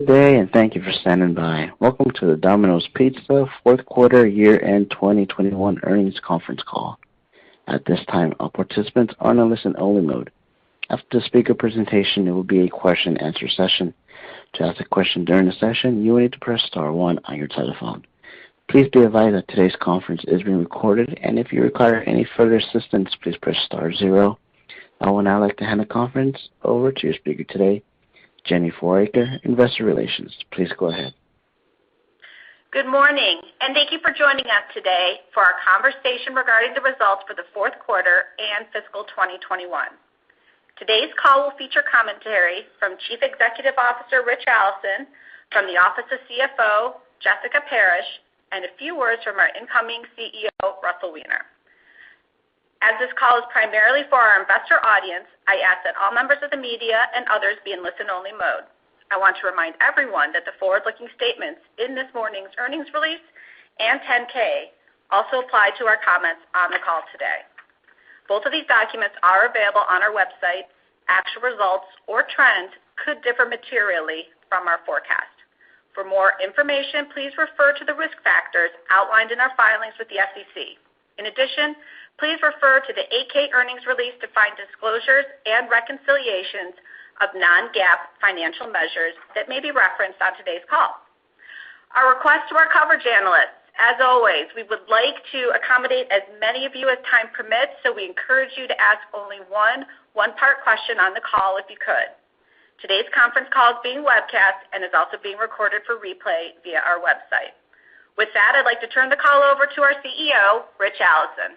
Good day, and thank you for standing by. Welcome to the Domino's Pizza Fourth Quarter Year-End 2021 Earnings Conference Call. At this time, all participants are in a listen-only mode. After the speaker presentation, there will be a question and answer session. To ask a question during the session, you will need to press star one on your telephone. Please be advised that today's conference is being recorded, and if you require any further assistance, please press star zero. I would now like to hand the conference over to your speaker today, Jenny Fouracre, Investor Relations. Please go ahead. Good morning, and thank you for joining us today for our conversation regarding the results for the fourth quarter and fiscal 2021. Today's call will feature commentary from Chief Executive Officer, Ritch Allison, from the Office of CFO, Jessica Parrish, and a few words from our incoming CEO, Russell Weiner. As this call is primarily for our investor audience, I ask that all members of the media and others be in listen-only mode. I want to remind everyone that the forward-looking statements in this morning's earnings release and 10-K also apply to our comments on the call today. Both of these documents are available on our website. Actual results or trends could differ materially from our forecast. For more information, please refer to the risk factors outlined in our filings with the SEC. In addition, please refer to the 8-K earnings release to find disclosures and reconciliations of non-GAAP financial measures that may be referenced on today's call. Our request to our coverage analysts. As always, we would like to accommodate as many of you as time permits, so we encourage you to ask only one-part question on the call if you could. Today's conference call is being webcast and is also being recorded for replay via our website. With that, I'd like to turn the call over to our CEO, Ritch Allison.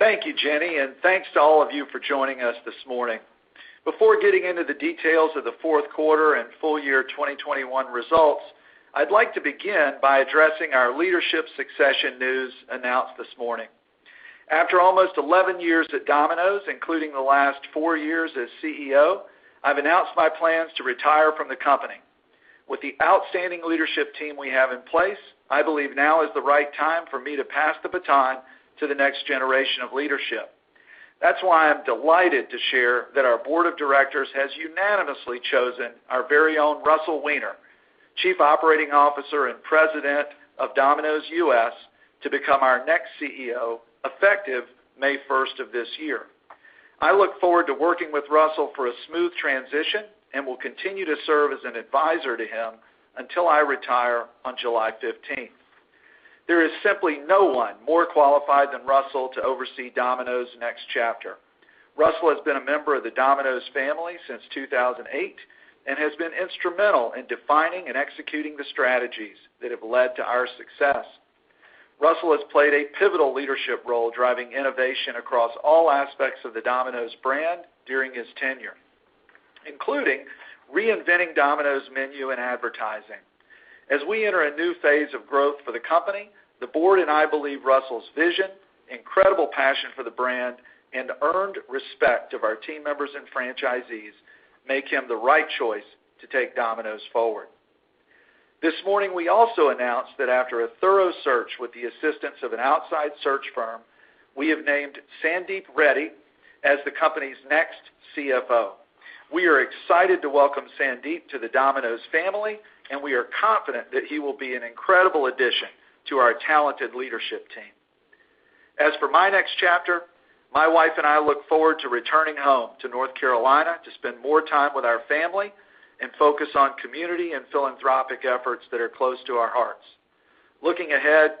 Thank you, Jenny, and thanks to all of you for joining us this morning. Before getting into the details of the fourth quarter and full year 2021 results, I'd like to begin by addressing our leadership succession news announced this morning. After almost 11 years at Domino's, including the last four years as CEO, I've announced my plans to retire from the company. With the outstanding leadership team we have in place, I believe now is the right time for me to pass the baton to the next generation of leadership. That's why I'm delighted to share that our board of directors has unanimously chosen our very own Russell Weiner, Chief Operating Officer and President of Domino's U.S., to become our next CEO, effective May first of this year. I look forward to working with Russell for a smooth transition and will continue to serve as an advisor to him until I retire on July 15th. There is simply no one more qualified than Russell to oversee Domino's next chapter. Russell has been a member of the Domino's family since 2008 and has been instrumental in defining and executing the strategies that have led to our success. Russell has played a pivotal leadership role driving innovation across all aspects of the Domino's brand during his tenure, including reinventing Domino's menu and advertising. As we enter a new phase of growth for the company, the board and I believe Russell's vision, incredible passion for the brand, and earned respect of our team members and franchisees make him the right choice to take Domino's forward. This morning, we also announced that after a thorough search with the assistance of an outside search firm, we have named Sandeep Reddy as the company's next CFO. We are excited to welcome Sandeep Reddy to the Domino's family, and we are confident that he will be an incredible addition to our talented leadership team. As for my next chapter, my wife and I look forward to returning home to North Carolina to spend more time with our family and focus on community and philanthropic efforts that are close to our hearts. Looking ahead,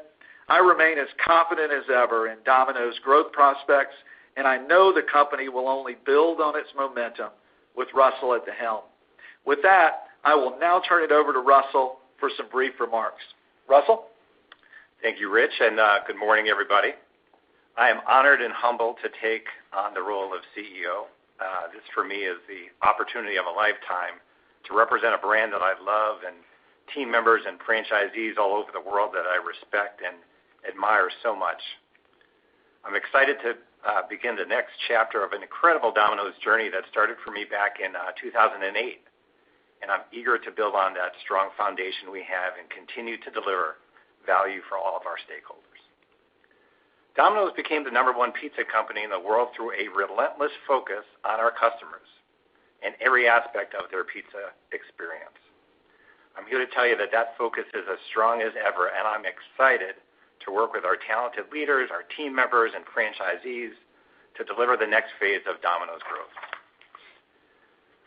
I remain as confident as ever in Domino's growth prospects, and I know the company will only build on its momentum with Russell at the helm. With that, I will now turn it over to Russell for some brief remarks. Russell? Thank you, Ritch, and good morning, everybody. I am honored and humbled to take on the role of CEO. This for me is the opportunity of a lifetime to represent a brand that I love and team members and franchisees all over the world that I respect and admire so much. I'm excited to begin the next chapter of an incredible Domino's journey that started for me back in 2008. I'm eager to build on that strong foundation we have and continue to deliver value for all of our stakeholders. Domino's became the number one pizza company in the world through a relentless focus on our customers in every aspect of their pizza experience. I'm here to tell you that focus is as strong as ever, and I'm excited to work with our talented leaders, our team members and franchisees to deliver the next phase of Domino's growth.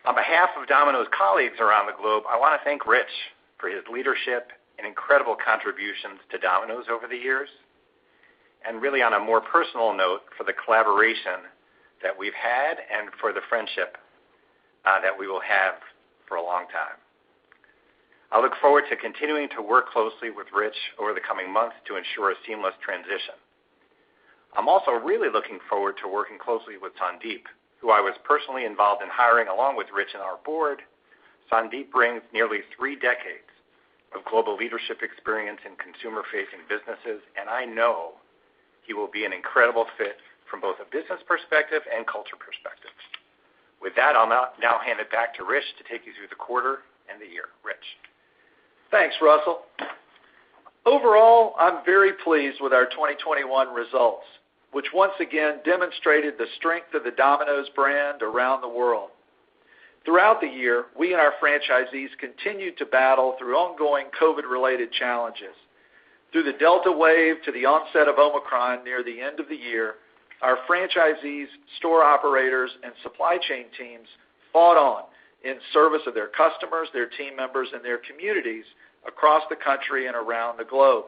On behalf of Domino's colleagues around the globe, I wanna thank Ritch for his leadership and incredible contributions to Domino's over the years and really on a more personal note for the collaboration that we've had and for the friendship that we will have for a long time. I look forward to continuing to work closely with Ritch over the coming months to ensure a seamless transition. I'm also really looking forward to working closely with Sandeep, who I was personally involved in hiring along with Ritch and our board. Sandeep brings nearly three decades of global leadership experience in consumer-facing businesses, and I know he will be an incredible fit from both a business perspective and culture perspective. With that, I'll now hand it back to Ritch to take you through the quarter and the year. Ritch? Thanks, Russell. Overall, I'm very pleased with our 2021 results, which once again demonstrated the strength of the Domino's brand around the world. Throughout the year, we and our franchisees continued to battle through ongoing COVID-related challenges. Through the Delta wave to the onset of Omicron near the end of the year, our franchisees, store operators, and supply chain teams fought on in service of their customers, their team members, and their communities across the country and around the globe.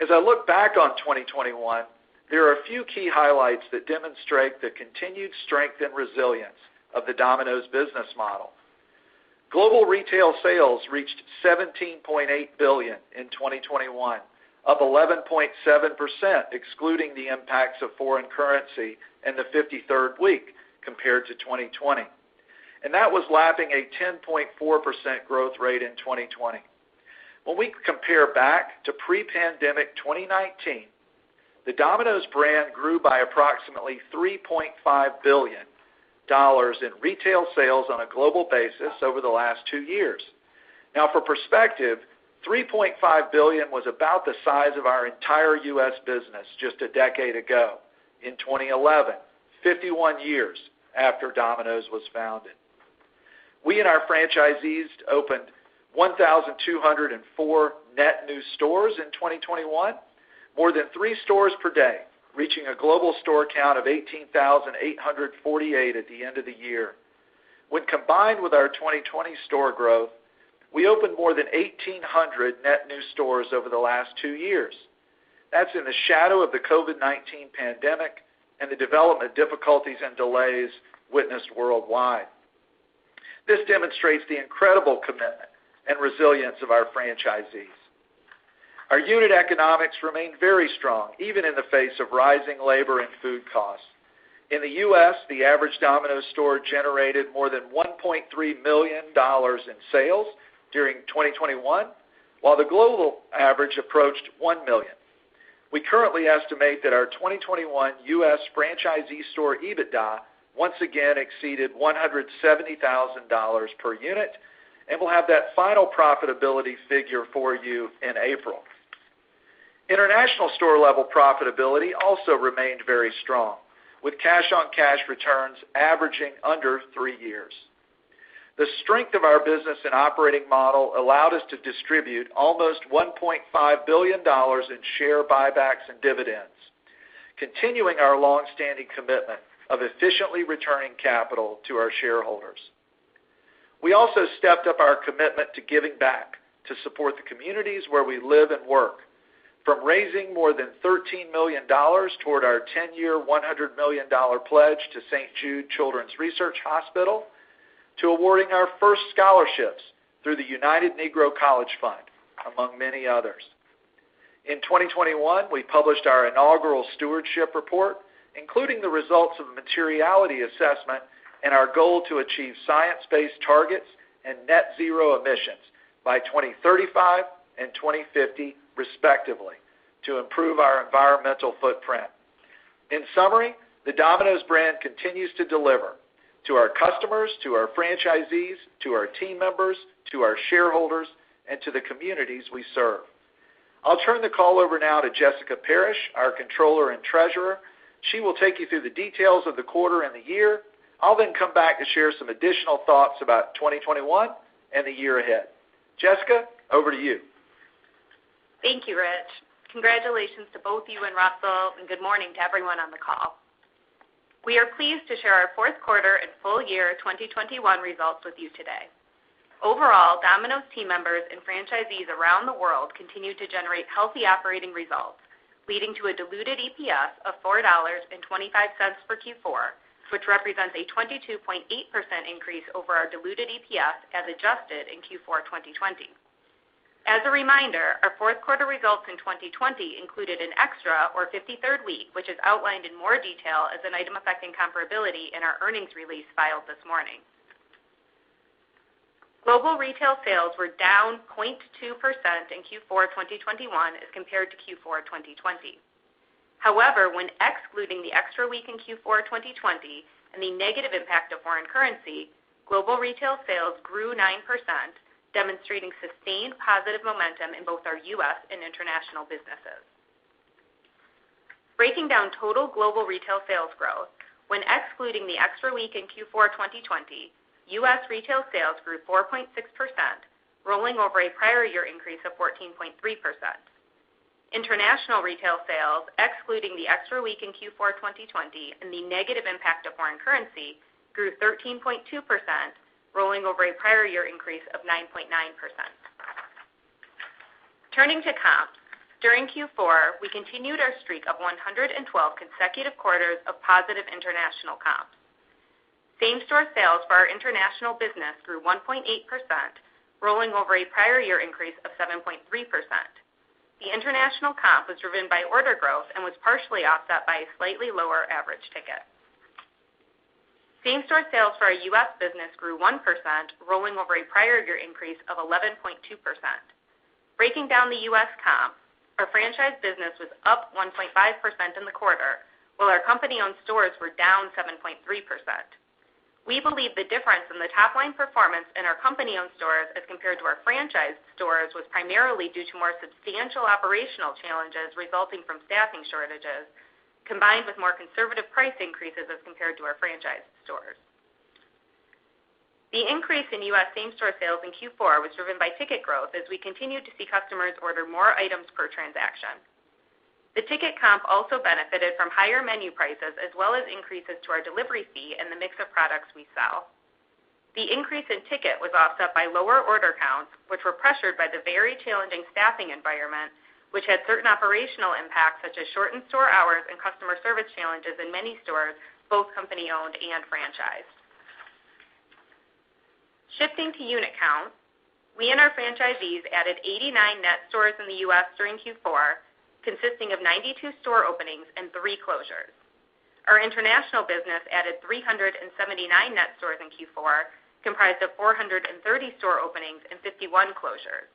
As I look back on 2021, there are a few key highlights that demonstrate the continued strength and resilience of the Domino's business model. Global retail sales reached $17.8 billion in 2021, up 11.7%, excluding the impacts of foreign currency in the 53rd week compared to 2020, and that was lapping a 10.4% growth rate in 2020. When we compare back to pre-pandemic 2019, the Domino's brand grew by approximately $3.5 billion in retail sales on a global basis over the last two years. Now, for perspective, $3.5 billion was about the size of our entire U.S. business just a decade ago in 2011, 51 years after Domino's was founded. We and our franchisees opened 1,204 net new stores in 2021, more than three stores per day, reaching a global store count of 18,848 at the end of the year. When combined with our 2020 store growth, we opened more than 1,800 net new stores over the last two years. That's in the shadow of the COVID-19 pandemic and the development difficulties and delays witnessed worldwide. This demonstrates the incredible commitment and resilience of our franchisees. Our unit economics remained very strong, even in the face of rising labor and food costs. In the U.S., the average Domino's store generated more than $1.3 million in sales during 2021, while the global average approached $1 million. We currently estimate that our 2021 U.S. franchisee store EBITDA once again exceeded $170,000 per unit, and we'll have that final profitability figure for you in April. International store-level profitability also remained very strong, with cash-on-cash returns averaging under three years. The strength of our business and operating model allowed us to distribute almost $1.5 billion in share buybacks and dividends, continuing our long-standing commitment of efficiently returning capital to our shareholders. We also stepped up our commitment to giving back to support the communities where we live and work, from raising more than $13 million toward our 10-year, $100 million pledge to St. Jude Children's Research Hospital, to awarding our first scholarships through the United Negro College Fund, among many others. In 2021, we published our inaugural stewardship report, including the results of a materiality assessment and our goal to achieve science-based targets and net zero emissions by 2035 and 2050, respectively, to improve our environmental footprint. In summary, the Domino's brand continues to deliver to our customers, to our franchisees, to our team members, to our shareholders, and to the communities we serve. I'll turn the call over now to Jessica Parrish, our controller and treasurer. She will take you through the details of the quarter and the year. I'll then come back to share some additional thoughts about 2021 and the year ahead. Jessica, over to you. Thank you, Ritch. Congratulations to both you and Russell, and good morning to everyone on the call. We are pleased to share our fourth quarter and full year 2021 results with you today. Overall, Domino's team members and franchisees around the world continued to generate healthy operating results, leading to a diluted EPS of $4.25 for Q4, which represents a 22.8% increase over our diluted EPS as adjusted in Q4, 2020. As a reminder, our fourth quarter results in 2020 included an extra, or fifty-third week, which is outlined in more detail as an item affecting comparability in our earnings release filed this morning. Global retail sales were down 0.2% in Q4, 2021, as compared to Q4, 2020. However, when excluding the extra week in Q4 2020 and the negative impact of foreign currency, global retail sales grew 9%, demonstrating sustained positive momentum in both our U.S. and international businesses. Breaking down total global retail sales growth, when excluding the extra week in Q4 2020, U.S. retail sales grew 4.6%, rolling over a prior year increase of 14.3%. International retail sales, excluding the extra week in Q4 2020 and the negative impact of foreign currency, grew 13.2%, rolling over a prior year increase of 9.9%. Turning to comps, during Q4, we continued our streak of 112 consecutive quarters of positive international comps. Same-store sales for our international business grew 1.8%, rolling over a prior year increase of 7.3%. The international comp was driven by order growth and was partially offset by a slightly lower average ticket. Same-store sales for our U.S. business grew 1%, rolling over a prior year increase of 11.2%. Breaking down the U.S. comp, our franchise business was up 1.5% in the quarter, while our company-owned stores were down 7.3%. We believe the difference in the top line performance in our company-owned stores as compared to our franchise stores was primarily due to more substantial operational challenges resulting from staffing shortages, combined with more conservative price increases as compared to our franchise stores. The increase in U.S. same-store sales in Q4 was driven by ticket growth as we continued to see customers order more items per transaction. The ticket comp also benefited from higher menu prices as well as increases to our delivery fee and the mix of products we sell. The increase in ticket was offset by lower order counts, which were pressured by the very challenging staffing environment, which had certain operational impacts, such as shortened store hours and customer service challenges in many stores, both company-owned and franchised. Shifting to unit count, we and our franchisees added 89 net stores in the U.S. during Q4, consisting of 92 store openings and three closures. Our international business added 379 net stores in Q4, comprised of 430 store openings and 51 closures.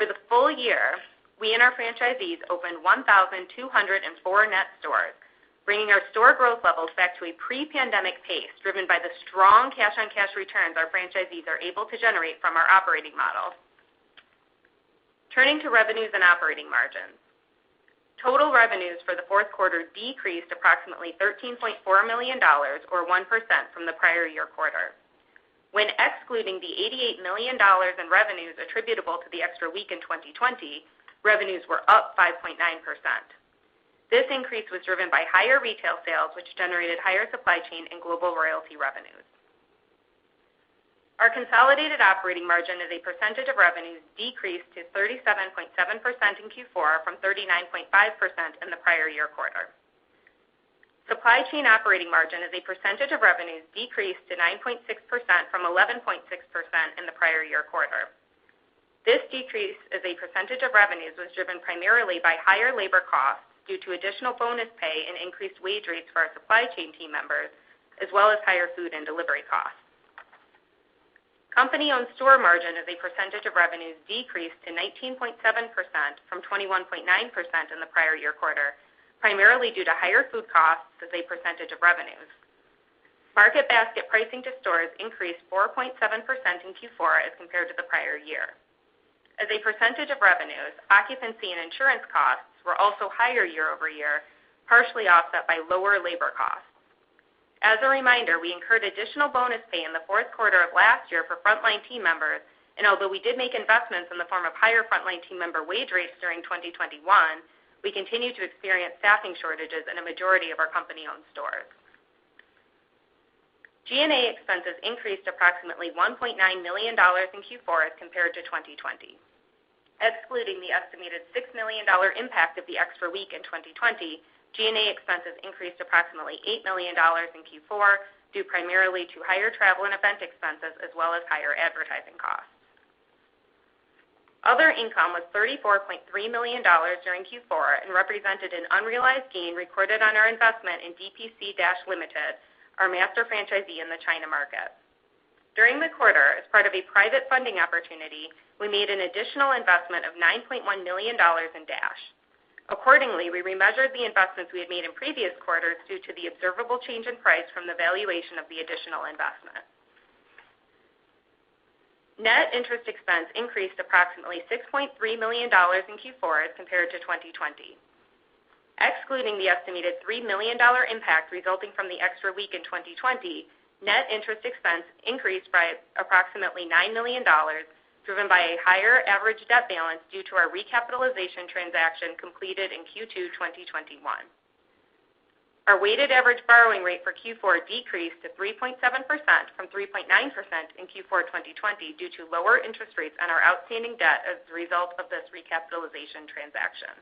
For the full year, we and our franchisees opened 1,204 net stores, bringing our store growth levels back to a pre-pandemic pace, driven by the strong cash-on-cash returns our franchisees are able to generate from our operating model. Turning to revenues and operating margins. Total revenues for the fourth quarter decreased approximately $13.4 million or 1% from the prior year quarter. When excluding the $88 million in revenues attributable to the extra week in 2020, revenues were up 5.9%. This increase was driven by higher retail sales, which generated higher supply chain and global royalty revenues. Our consolidated operating margin as a percentage of revenues decreased to 37.7% in Q4 from 39.5% in the prior year quarter. Supply chain operating margin as a percentage of revenues decreased to 9.6% from 11.6% in the prior year quarter. This decrease as a percentage of revenues was driven primarily by higher labor costs due to additional bonus pay and increased wage rates for our supply chain team members, as well as higher food and delivery costs. Company-owned store margin as a percentage of revenues decreased to 19.7% from 21.9% in the prior year quarter, primarily due to higher food costs as a percentage of revenues. Market basket pricing to stores increased 4.7% in Q4 as compared to the prior year. As a percentage of revenues, occupancy and insurance costs were also higher year over year, partially offset by lower labor costs. As a reminder, we incurred additional bonus pay in the fourth quarter of last year for frontline team members, and although we did make investments in the form of higher frontline team member wage rates during 2021, we continue to experience staffing shortages in a majority of our company-owned stores. G&A expenses increased approximately $1.9 million in Q4 as compared to 2020. Excluding the estimated $6 million impact of the extra week in 2020, G&A expenses increased approximately $8 million in Q4 due primarily to higher travel and event expenses as well as higher advertising costs. Other income was $34.3 million during Q4 and represented an unrealized gain recorded on our investment in DPC Dash Ltd, our master franchisee in the China market. During the quarter, as part of a private funding opportunity, we made an additional investment of $9.1 million in Dash. Accordingly, we remeasured the investments we had made in previous quarters due to the observable change in price from the valuation of the additional investment. Net interest expense increased approximately $6.3 million in Q4 as compared to 2020. Excluding the estimated $3 million impact resulting from the extra week in 2020, net interest expense increased by approximately $9 million, driven by a higher average debt balance due to our recapitalization transaction completed in Q2 2021. Our weighted average borrowing rate for Q4 decreased to 3.7% from 3.9% in Q4 2020 due to lower interest rates on our outstanding debt as a result of this recapitalization transaction.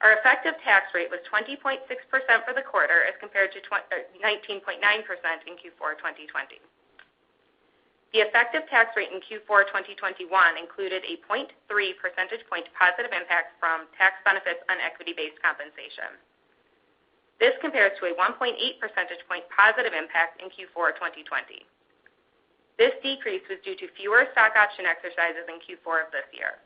Our effective tax rate was 20.6% for the quarter as compared to 19.9% in Q4 2020. The effective tax rate in Q4 2021 included a 0.3 percentage point positive impact from tax benefits on equity-based compensation. This compares to a 1.8 percentage point positive impact in Q4 2020. This decrease was due to fewer stock option exercises in Q4 of this year.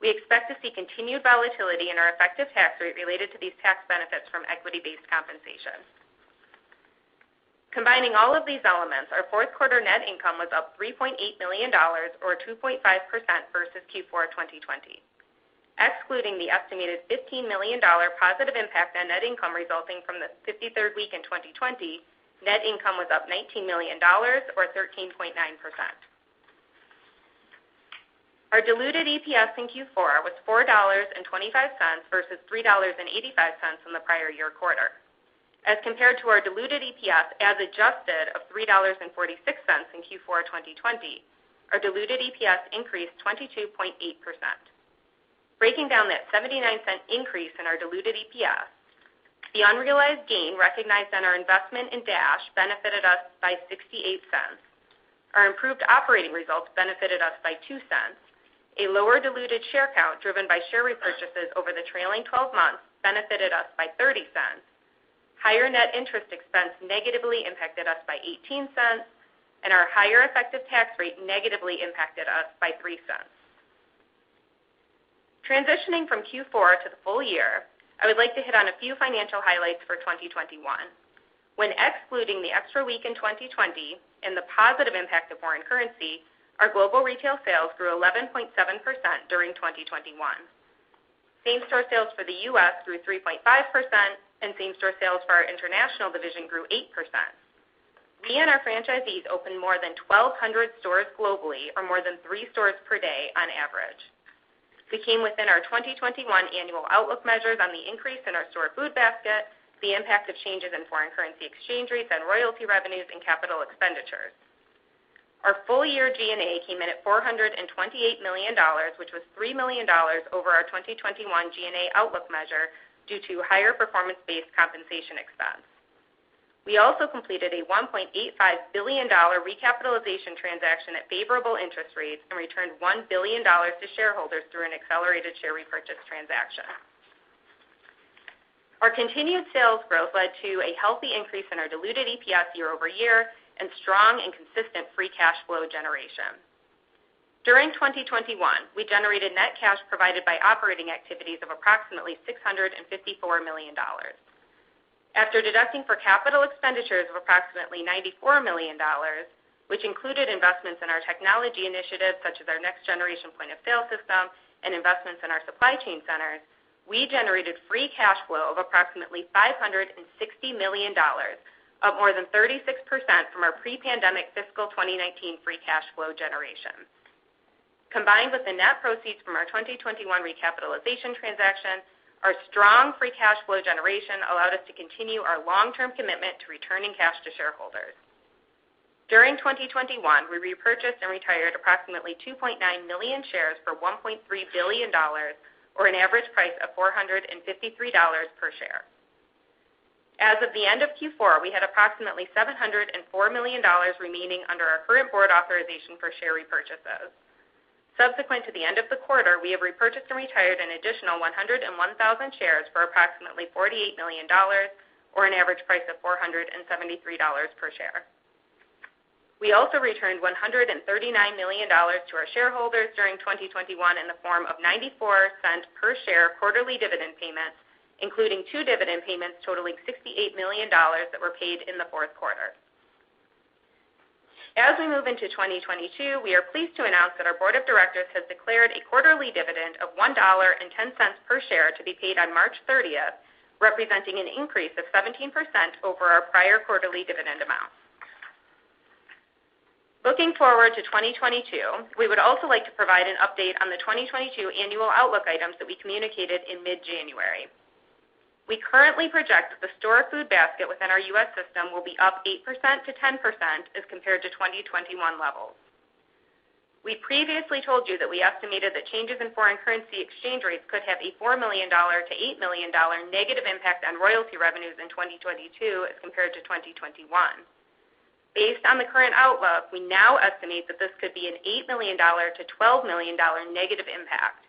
We expect to see continued volatility in our effective tax rate related to these tax benefits from equity-based compensation. Combining all of these elements, our fourth quarter net income was up $3.8 million or 2.5% versus Q4 2020. Excluding the estimated $15 million positive impact on net income resulting from the fifty-third week in 2020, net income was up $19 million or 13.9%. Our diluted EPS in Q4 was $4.25 versus $3.85 in the prior year quarter. As compared to our diluted EPS as adjusted of $3.46 in Q4 2020, our diluted EPS increased 22.8%. Breaking down that $0.79 increase in our diluted EPS, the unrealized gain recognized on our investment in Dash benefited us by $0.68. Our improved operating results benefited us by $0.02. A lower diluted share count driven by share repurchases over the trailing 12 months benefited us by $0.30. Higher net interest expense negatively impacted us by $0.18, and our higher effective tax rate negatively impacted us by $0.03. Transitioning from Q4 to the full year, I would like to hit on a few financial highlights for 2021. When excluding the extra week in 2020 and the positive impact of foreign currency, our global retail sales grew 11.7% during 2021. Same-store sales for the U.S. grew 3.5% and same-store sales for our international division grew 8%. We and our franchisees opened more than 1,200 stores globally or more than three stores per day on average. We came within our 2021 annual outlook measures on the increase in our store food basket, the impact of changes in foreign currency exchange rates and royalty revenues and capital expenditures. Our full year G&A came in at $428 million, which was $3 million over our 2021 G&A outlook measure due to higher performance-based compensation expense. We also completed a $1.85 billion recapitalization transaction at favorable interest rates and returned $1 billion to shareholders through an accelerated share repurchase transaction. Our continued sales growth led to a healthy increase in our diluted EPS year over year and strong and consistent free cash flow generation. During 2021, we generated net cash provided by operating activities of approximately $654 million. After deducting for capital expenditures of approximately $94 million, which included investments in our technology initiatives such as our next generation point of sale system and investments in our supply chain centers, we generated free cash flow of approximately $560 million, up more than 36% from our pre-pandemic fiscal 2019 free cash flow generation. Combined with the net proceeds from our 2021 recapitalization transaction, our strong free cash flow generation allowed us to continue our long-term commitment to returning cash to shareholders. During 2021, we repurchased and retired approximately 2.9 million shares for $1.3 billion, or an average price of $453 per share. As of the end of Q4, we had approximately $704 million remaining under our current board authorization for share repurchases. Subsequent to the end of the quarter, we have repurchased and retired an additional 101,000 shares for approximately $48 million or an average price of $473 per share. We also returned $139 million to our shareholders during 2021 in the form of $0.94 per share quarterly dividend payments, including two dividend payments totaling $68 million that were paid in the fourth quarter. As we move into 2022, we are pleased to announce that our board of directors has declared a quarterly dividend of $1.10 per share to be paid on March thirtieth, representing an increase of 17% over our prior quarterly dividend amount. Looking forward to 2022, we would also like to provide an update on the 2022 annual outlook items that we communicated in mid-January. We currently project that the store food basket within our U.S. system will be up 8%-10% as compared to 2021 levels. We previously told you that we estimated that changes in foreign currency exchange rates could have a $4 million-$8 million negative impact on royalty revenues in 2022 as compared to 2021. Based on the current outlook, we now estimate that this could be an $8 million-$12 million negative impact.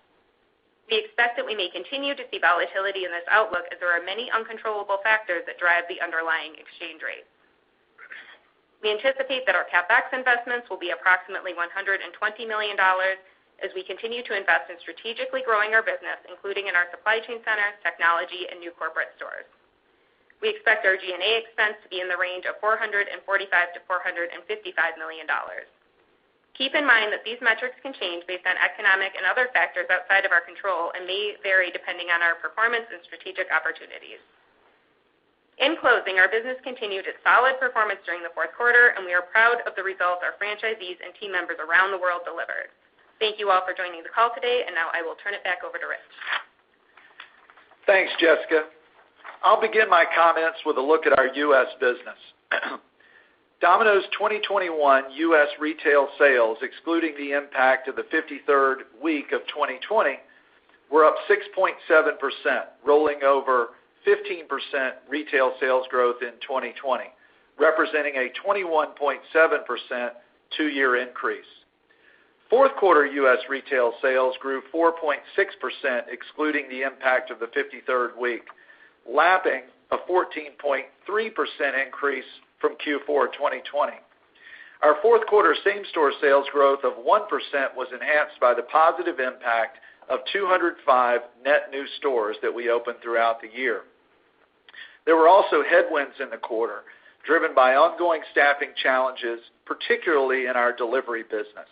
We expect that we may continue to see volatility in this outlook as there are many uncontrollable factors that drive the underlying exchange rate. We anticipate that our CapEx investments will be approximately $120 million as we continue to invest in strategically growing our business, including in our supply chain centers, technology and new corporate stores. We expect our G&A expense to be in the range of $445 million-$455 million. Keep in mind that these metrics can change based on economic and other factors outside of our control and may vary depending on our performance and strategic opportunities. In closing, our business continued its solid performance during the fourth quarter, and we are proud of the results our franchisees and team members around the world delivered. Thank you all for joining the call today. Now I will turn it back over to Ritch. Thanks, Jessica. I'll begin my comments with a look at our U.S. business. Domino's 2021 U.S. retail sales, excluding the impact of the 53rd week of 2020, were up 6.7%, rolling over 15% retail sales growth in 2020, representing a 21.7% two-year increase. Fourth quarter U.S. retail sales grew 4.6% excluding the impact of the 53rd week, lapping a 14.3% increase from Q4 2020. Our fourth quarter same-store sales growth of 1% was enhanced by the positive impact of 205 net new stores that we opened throughout the year. There were also headwinds in the quarter, driven by ongoing staffing challenges, particularly in our delivery business.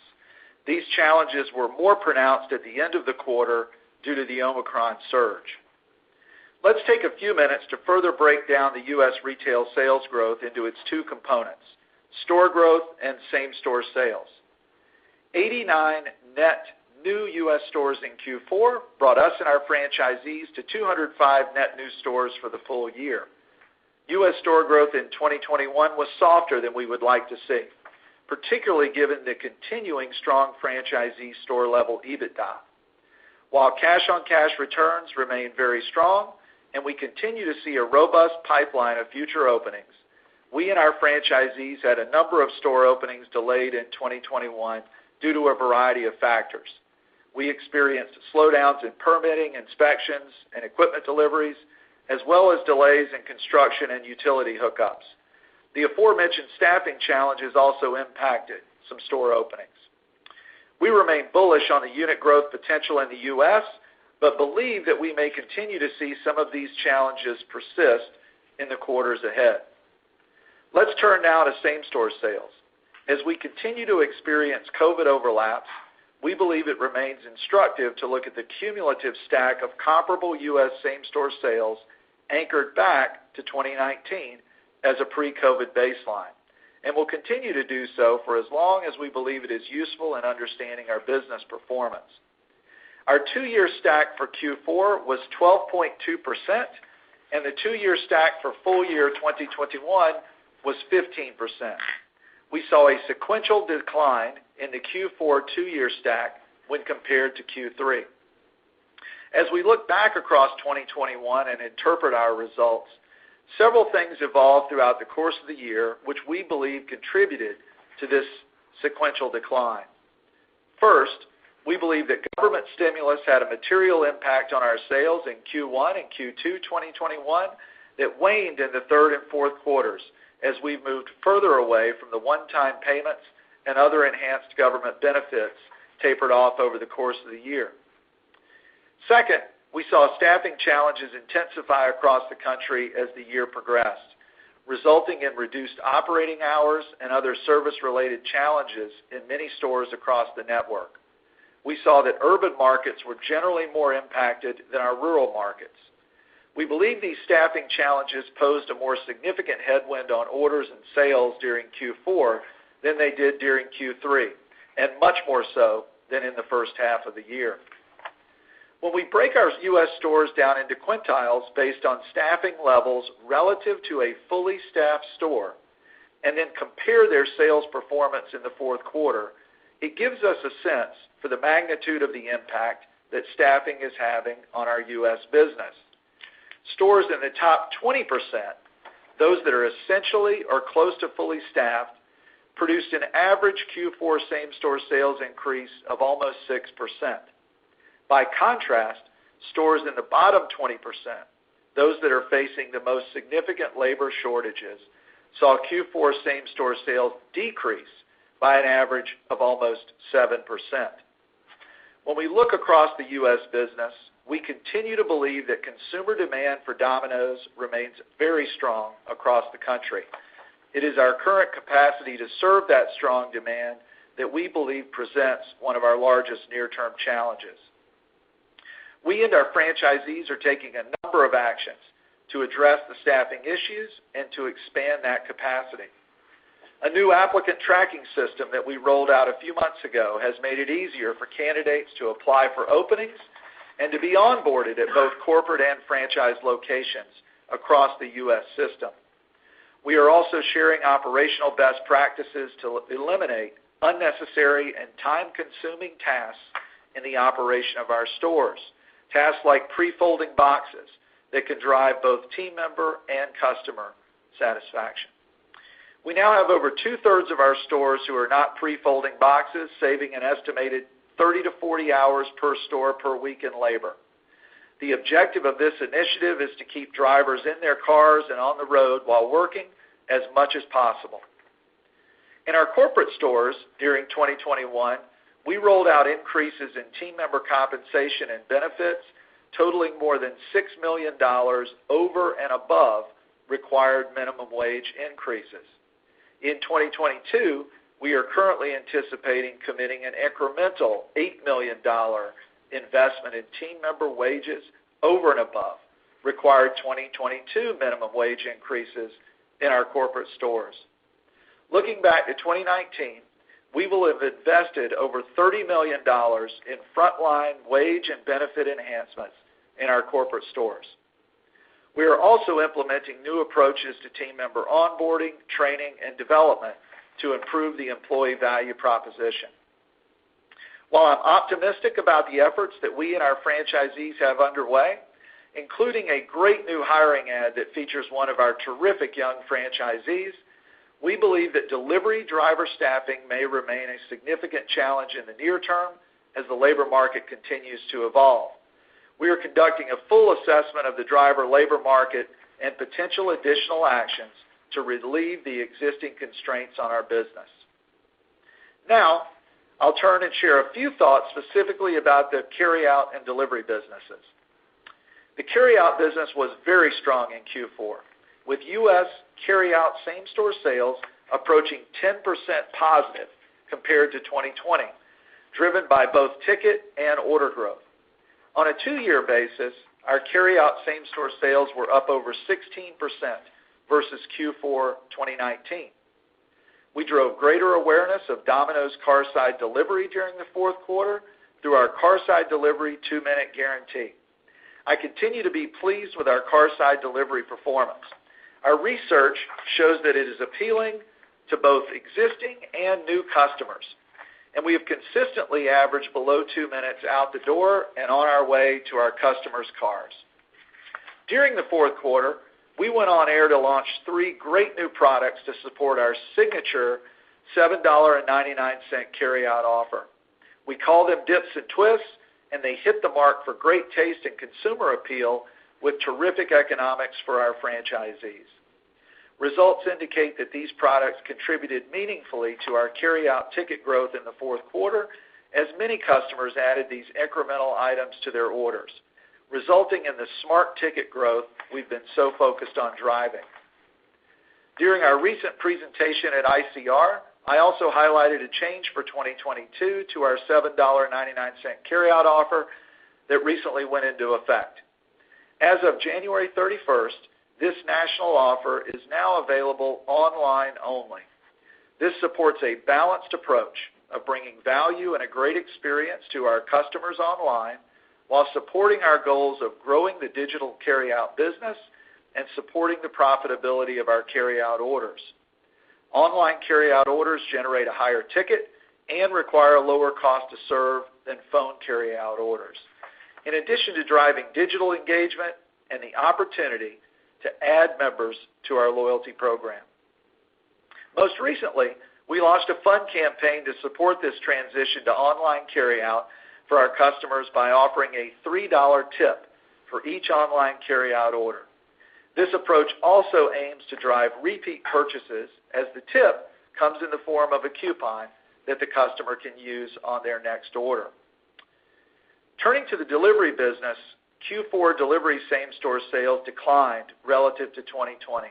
These challenges were more pronounced at the end of the quarter due to the Omicron surge. Let's take a few minutes to further break down the U.S. retail sales growth into its two components, store growth and same-store sales. 89 net new U.S. stores in Q4 brought us and our franchisees to 205 net new stores for the full year. U.S. store growth in 2021 was softer than we would like to see, particularly given the continuing strong franchisee store level EBITDA. While cash-on-cash returns remain very strong and we continue to see a robust pipeline of future openings, we and our franchisees had a number of store openings delayed in 2021 due to a variety of factors. We experienced slowdowns in permitting, inspections, and equipment deliveries, as well as delays in construction and utility hookups. The aforementioned staffing challenges also impacted some store openings. We remain bullish on the unit growth potential in the U.S., but believe that we may continue to see some of these challenges persist in the quarters ahead. Let's turn now to same-store sales. As we continue to experience COVID overlaps, we believe it remains instructive to look at the cumulative stack of comparable U.S. same-store sales anchored back to 2019 as a pre-COVID baseline, and we'll continue to do so for as long as we believe it is useful in understanding our business performance. Our two-year stack for Q4 was 12.2%, and the two-year stack for full year 2021 was 15%. We saw a sequential decline in the Q4 two-year stack when compared to Q3. As we look back across 2021 and interpret our results, several things evolved throughout the course of the year, which we believe contributed to this sequential decline. First, we believe that government stimulus had a material impact on our sales in Q1 and Q2 2021 that waned in the third and fourth quarters as we moved further away from the one-time payments and other enhanced government benefits tapered off over the course of the year. Second, we saw staffing challenges intensify across the country as the year progressed, resulting in reduced operating hours and other service-related challenges in many stores across the network. We saw that urban markets were generally more impacted than our rural markets. We believe these staffing challenges posed a more significant headwind on orders and sales during Q4 than they did during Q3, and much more so than in the first half of the year. When we break our U.S. stores down into quintiles based on staffing levels relative to a fully staffed store and then compare their sales performance in the fourth quarter, it gives us a sense for the magnitude of the impact that staffing is having on our U.S. business. Stores in the top 20%, those that are essentially or close to fully staffed, produced an average Q4 same-store sales increase of almost 6%. By contrast, stores in the bottom 20%, those that are facing the most significant labor shortages, saw Q4 same-store sales decrease by an average of almost 7%. When we look across the U.S. business, we continue to believe that consumer demand for Domino's remains very strong across the country. It is our current capacity to serve that strong demand that we believe presents one of our largest near-term challenges. We and our franchisees are taking a number of actions to address the staffing issues and to expand that capacity. A new applicant tracking system that we rolled out a few months ago has made it easier for candidates to apply for openings and to be onboarded at both corporate and franchise locations across the U.S. system. We are also sharing operational best practices to eliminate unnecessary and time-consuming tasks in the operation of our stores, tasks like pre-folding boxes that can drive both team member and customer satisfaction. We now have over two-thirds of our stores who are not pre-folding boxes, saving an estimated 30-40 hours per store per week in labor. The objective of this initiative is to keep drivers in their cars and on the road while working as much as possible. In our corporate stores during 2021, we rolled out increases in team member compensation and benefits totaling more than $6 million over and above required minimum wage increases. In 2022, we are currently anticipating committing an incremental $8 million investment in team member wages over and above required 2022 minimum wage increases in our corporate stores. Looking back to 2019, we will have invested over $30 million in frontline wage and benefit enhancements in our corporate stores. We are also implementing new approaches to team member onboarding, training, and development to improve the employee value proposition. While I'm optimistic about the efforts that we and our franchisees have underway, including a great new hiring ad that features one of our terrific young franchisees, we believe that delivery driver staffing may remain a significant challenge in the near term as the labor market continues to evolve. We are conducting a full assessment of the driver labor market and potential additional actions to relieve the existing constraints on our business. Now I'll turn and share a few thoughts specifically about the carryout and delivery businesses. The carryout business was very strong in Q4, with U.S. carryout same-store sales approaching 10% positive compared to 2020, driven by both ticket and order growth. On a two-year basis, our carryout same-store sales were up over 16% versus Q4 2019. We drove greater awareness of Domino's curbside delivery during the fourth quarter through our curbside delivery two-minute guarantee. I continue to be pleased with our curbside delivery performance. Our research shows that it is appealing to both existing and new customers, and we have consistently averaged below twothree minutes out the door and on our way to our customers' cars. During the fourth quarter, we went on air to launch three great new products to support our signature $7.99 carryout offer. We call them Dips and Twists, and they hit the mark for great taste and consumer appeal with terrific economics for our franchisees. Results indicate that these products contributed meaningfully to our carryout ticket growth in the fourth quarter, as many customers added these incremental items to their orders, resulting in the smart ticket growth we've been so focused on driving. During our recent presentation at ICR, I also highlighted a change for 2022 to our $7.99 carryout offer that recently went into effect. As of January 31, this national offer is now available online only. This supports a balanced approach of bringing value and a great experience to our customers online while supporting our goals of growing the digital carryout business and supporting the profitability of our carryout orders. Online carryout orders generate a higher ticket and require a lower cost to serve than phone carryout orders, in addition to driving digital engagement and the opportunity to add members to our loyalty program. Most recently, we launched a fun campaign to support this transition to online carryout for our customers by offering a $3 tip for each online carryout order. This approach also aims to drive repeat purchases as the tip comes in the form of a coupon that the customer can use on their next order. Turning to the delivery business, Q4 delivery same-store sales declined relative to 2020,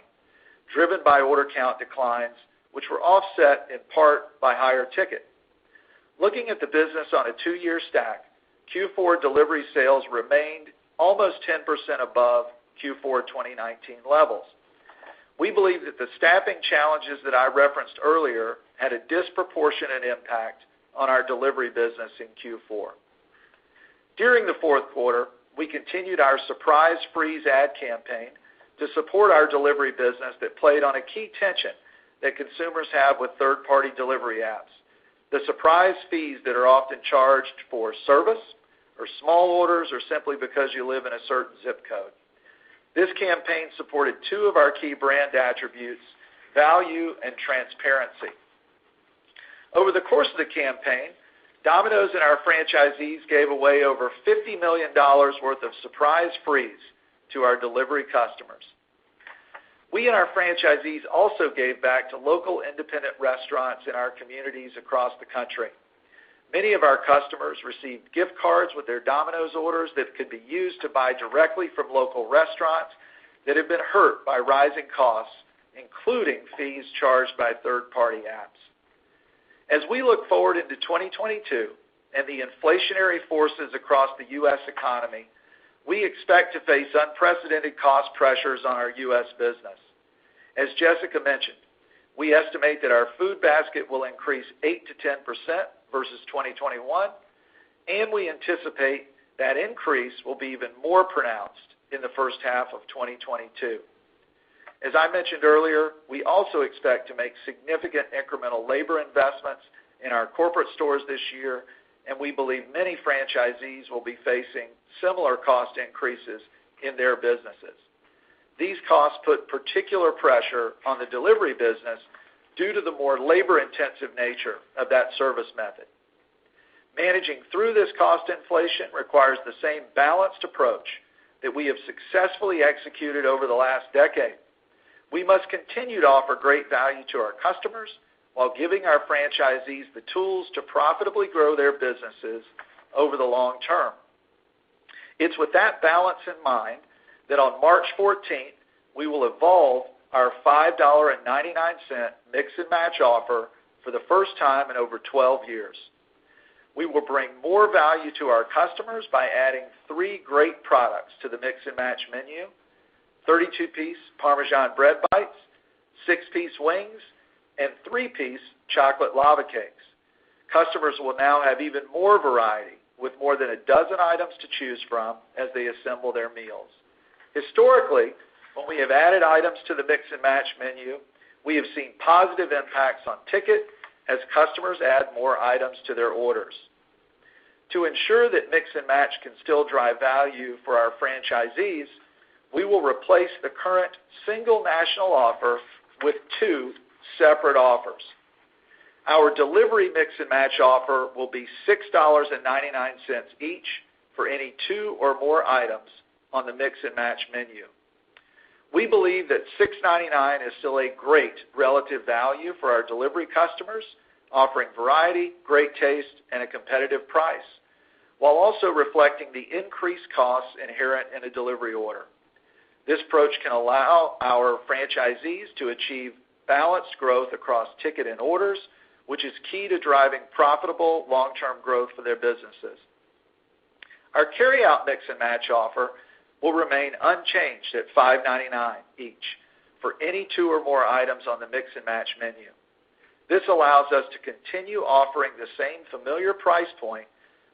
driven by order count declines, which were offset in part by higher ticket. Looking at the business on a two-year stack, Q4 delivery sales remained almost 10% above Q4 2019 levels. We believe that the staffing challenges that I referenced earlier had a disproportionate impact on our delivery business in Q4. During the fourth quarter, we continued our Surprise Frees ad campaign to support our delivery business that played on a key tension that consumers have with third-party delivery apps. The surprise fees that are often charged for service or small orders are simply because you live in a certain zip code. This campaign supported two of our key brand attributes, value and transparency. Over the course of the campaign, Domino's and our franchisees gave away over $50 million worth of Surprise Frees to our delivery customers. We and our franchisees also gave back to local independent restaurants in our communities across the country. Many of our customers received gift cards with their Domino's orders that could be used to buy directly from local restaurants that have been hurt by rising costs, including fees charged by third-party apps. As we look forward into 2022 and the inflationary forces across the U.S. economy, we expect to face unprecedented cost pressures on our U.S. business. As Jessica mentioned, we estimate that our food basket will increase 8%-10% versus 2021, and we anticipate that increase will be even more pronounced in the first half of 2022. As I mentioned earlier, we also expect to make significant incremental labor investments in our corporate stores this year, and we believe many franchisees will be facing similar cost increases in their businesses. These costs put particular pressure on the delivery business due to the more labor-intensive nature of that service method. Managing through this cost inflation requires the same balanced approach that we have successfully executed over the last decade. We must continue to offer great value to our customers while giving our franchisees the tools to profitably grow their businesses over the long term. It's with that balance in mind that on March fourteenth, we will evolve our $5.99 Mix & Match offer for the first time in over 12 years. We will bring more value to our customers by adding three great products to the Mix & Match menu, 32-piece Parmesan Bread Bites, 6-piece wings, and three-piece Chocolate Lava Crunch Cakes. Customers will now have even more variety with more than a dozen items to choose from as they assemble their meals. Historically, when we have added items to the Mix & Match menu, we have seen positive impacts on ticket as customers add more items to their orders. To ensure that Mix & Match can still drive value for our franchisees, we will replace the current single national offer with two separate offers. Our delivery Mix & Match offer will be $6.99 each for any two or more items on the Mix & Match menu. We believe that $6.99 is still a great relative value for our delivery customers, offering variety, great taste, and a competitive price, while also reflecting the increased costs inherent in a delivery order. This approach can allow our franchisees to achieve balanced growth across ticket and orders, which is key to driving profitable long-term growth for their businesses. Our carryout Mix & Match offer will remain unchanged at $5.99 each for any two or more items on the Mix & Match menu. This allows us to continue offering the same familiar price point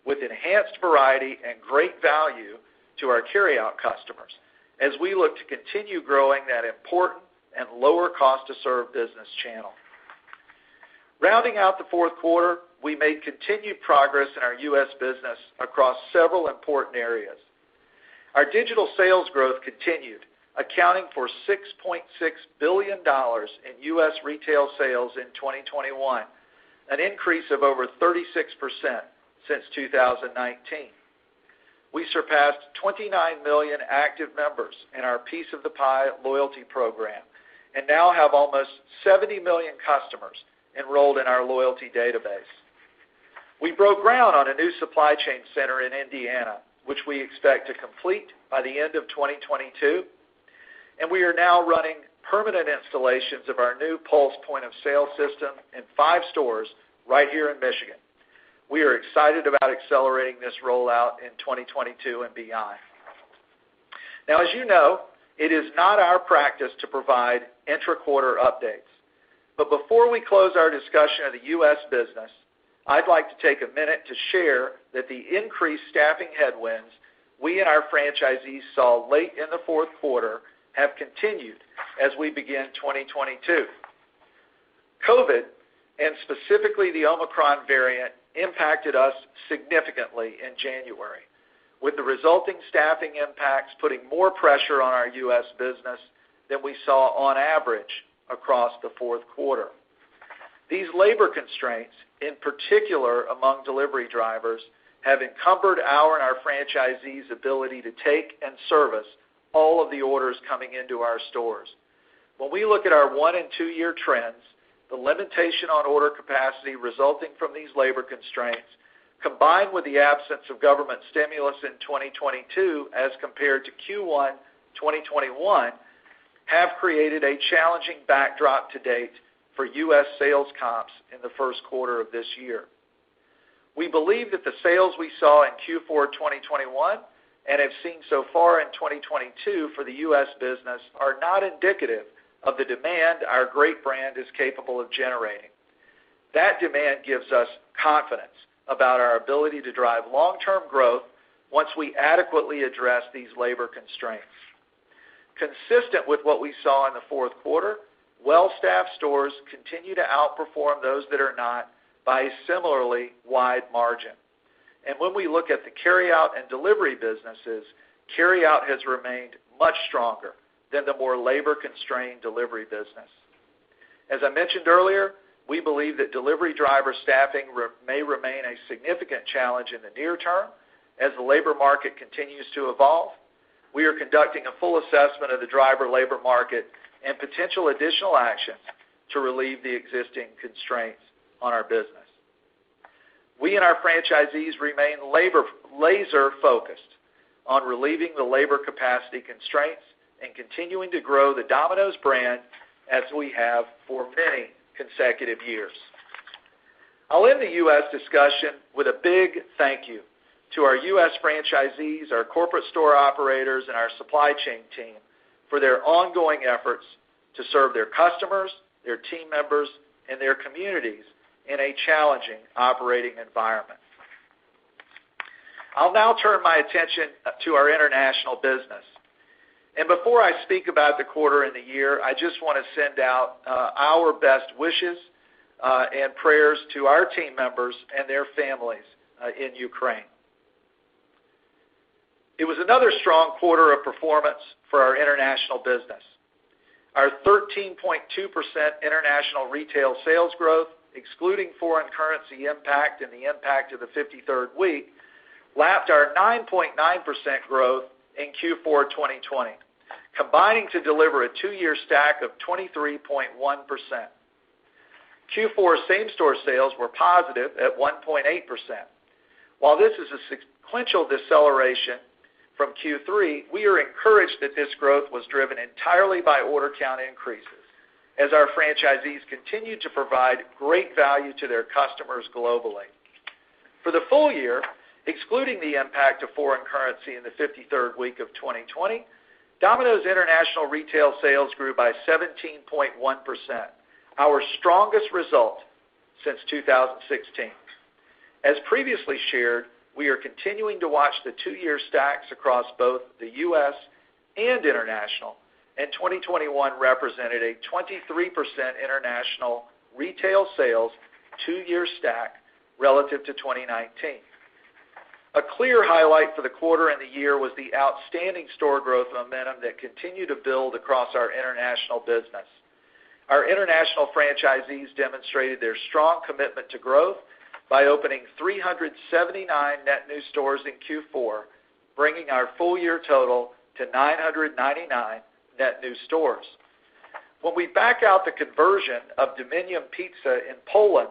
with enhanced variety and great value to our carryout customers as we look to continue growing that important and lower cost to serve business channel. Rounding out the fourth quarter, we made continued progress in our U.S. business across several important areas. Our digital sales growth continued, accounting for $6.6 billion in U.S. retail sales in 2021, an increase of over 36% since 2019. We surpassed 29 million active members in our Piece of the Pie loyalty program and now have almost 70 million customers enrolled in our loyalty database. We broke ground on a new supply chain center in Indiana, which we expect to complete by the end of 2022, and we are now running permanent installations of our new Pulse point of sale system in five stores right here in Michigan. We are excited about accelerating this rollout in 2022 and beyond. Now, as you know, it is not our practice to provide intra-quarter updates. Before we close our discussion of the U.S. business, I'd like to take a minute to share that the increased staffing headwinds we and our franchisees saw late in the fourth quarter have continued as we begin 2022. COVID, and specifically the Omicron variant, impacted us significantly in January, with the resulting staffing impacts putting more pressure on our U.S. business than we saw on average across the fourth quarter. These labor constraints, in particular among delivery drivers, have encumbered our and our franchisees' ability to take and service all of the orders coming into our stores. When we look at our one and two-year trends, the limitation on order capacity resulting from these labor constraints, combined with the absence of government stimulus in 2022 as compared to Q1 2021, have created a challenging backdrop to date for U.S. sales comps in the first quarter of this year. We believe that the sales we saw in Q4 2021 and have seen so far in 2022 for the U.S. business are not indicative of the demand our great brand is capable of generating. That demand gives us confidence about our ability to drive long-term growth once we adequately address these labor constraints. Consistent with what we saw in the fourth quarter, well-staffed stores continue to outperform those that are not by a similarly wide margin. When we look at the carryout and delivery businesses, carryout has remained much stronger than the more labor-constrained delivery business. As I mentioned earlier, we believe that delivery driver staffing may remain a significant challenge in the near term as the labor market continues to evolve. We are conducting a full assessment of the driver labor market and potential additional actions to relieve the existing constraints on our business. We and our franchisees remain laser focused on relieving the labor capacity constraints and continuing to grow the Domino's brand as we have for many consecutive years. I'll end the U.S. discussion with a big thank you to our U.S. franchisees, our corporate store operators, and our supply chain team for their ongoing efforts to serve their customers, their team members, and their communities in a challenging operating environment. I'll now turn my attention to our international business. Before I speak about the quarter and the year, I just wanna send out our best wishes and prayers to our team members and their families in Ukraine. It was another strong quarter of performance for our international business. Our 13.2% international retail sales growth, excluding foreign currency impact and the impact of the fifty-third week, lapped our 9.9% growth in Q4 2020, combining to deliver a two-year stack of 23.1%. Q4 same-store sales were positive at 1.8%. While this is a sequential deceleration from Q3, we are encouraged that this growth was driven entirely by order count increases as our franchisees continue to provide great value to their customers globally. For the full year, excluding the impact of foreign currency in the 53rd week of 2020, Domino's international retail sales grew by 17.1%, our strongest result since 2016. As previously shared, we are continuing to watch the two-year stacks across both the U.S. and international, and 2021 represented a 23% international retail sales two-year stack relative to 2019. A clear highlight for the quarter and the year was the outstanding store growth momentum that continued to build across our international business. Our international franchisees demonstrated their strong commitment to growth by opening 379 net new stores in Q4, bringing our full year total to 999 net new stores. When we back out the conversion of Dominium S.A. in Poland,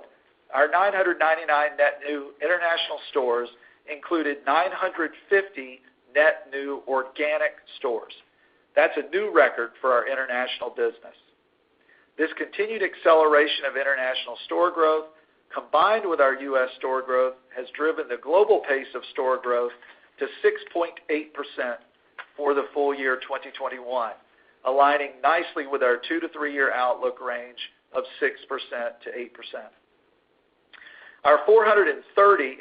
our 999 net new international stores included 950 net new organic stores. That's a new record for our international business. This continued acceleration of international store growth, combined with our U.S. store growth, has driven the global pace of store growth to 6.8% for the full year 2021, aligning nicely with our two-three-year outlook range of 6%-8%. Our 430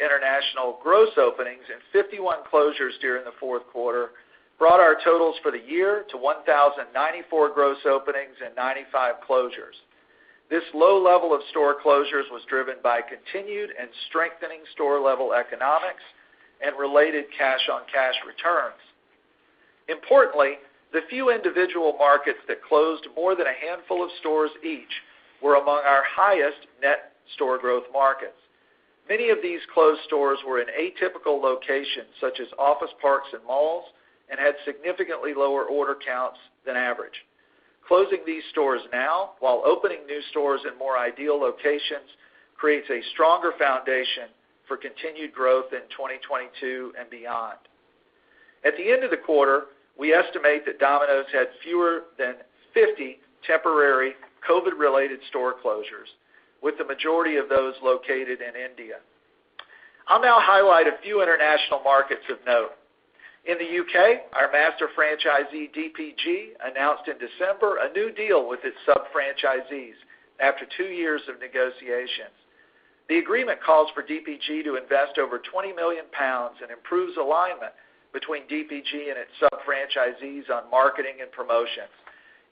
international gross openings and 51 closures during the fourth quarter brought our totals for the year to 1,094 gross openings and 95 closures. This low level of store closures was driven by continued and strengthening store level economics and related cash-on-cash returns. Importantly, the few individual markets that closed more than a handful of stores each were among our highest net store growth markets. Many of these closed stores were in atypical locations, such as office parks and malls, and had significantly lower order counts than average. Closing these stores now while opening new stores in more ideal locations creates a stronger foundation for continued growth in 2022 and beyond. At the end of the quarter, we estimate that Domino's had fewer than 50 temporary COVID-related store closures, with the majority of those located in India. I'll now highlight a few international markets of note. In the U.K., our master franchisee DPG announced in December a new deal with its sub-franchisees after two years of negotiations. The agreement calls for DPG to invest over 20 million pounds and improves alignment between DPG and its sub-franchisees on marketing and promotions,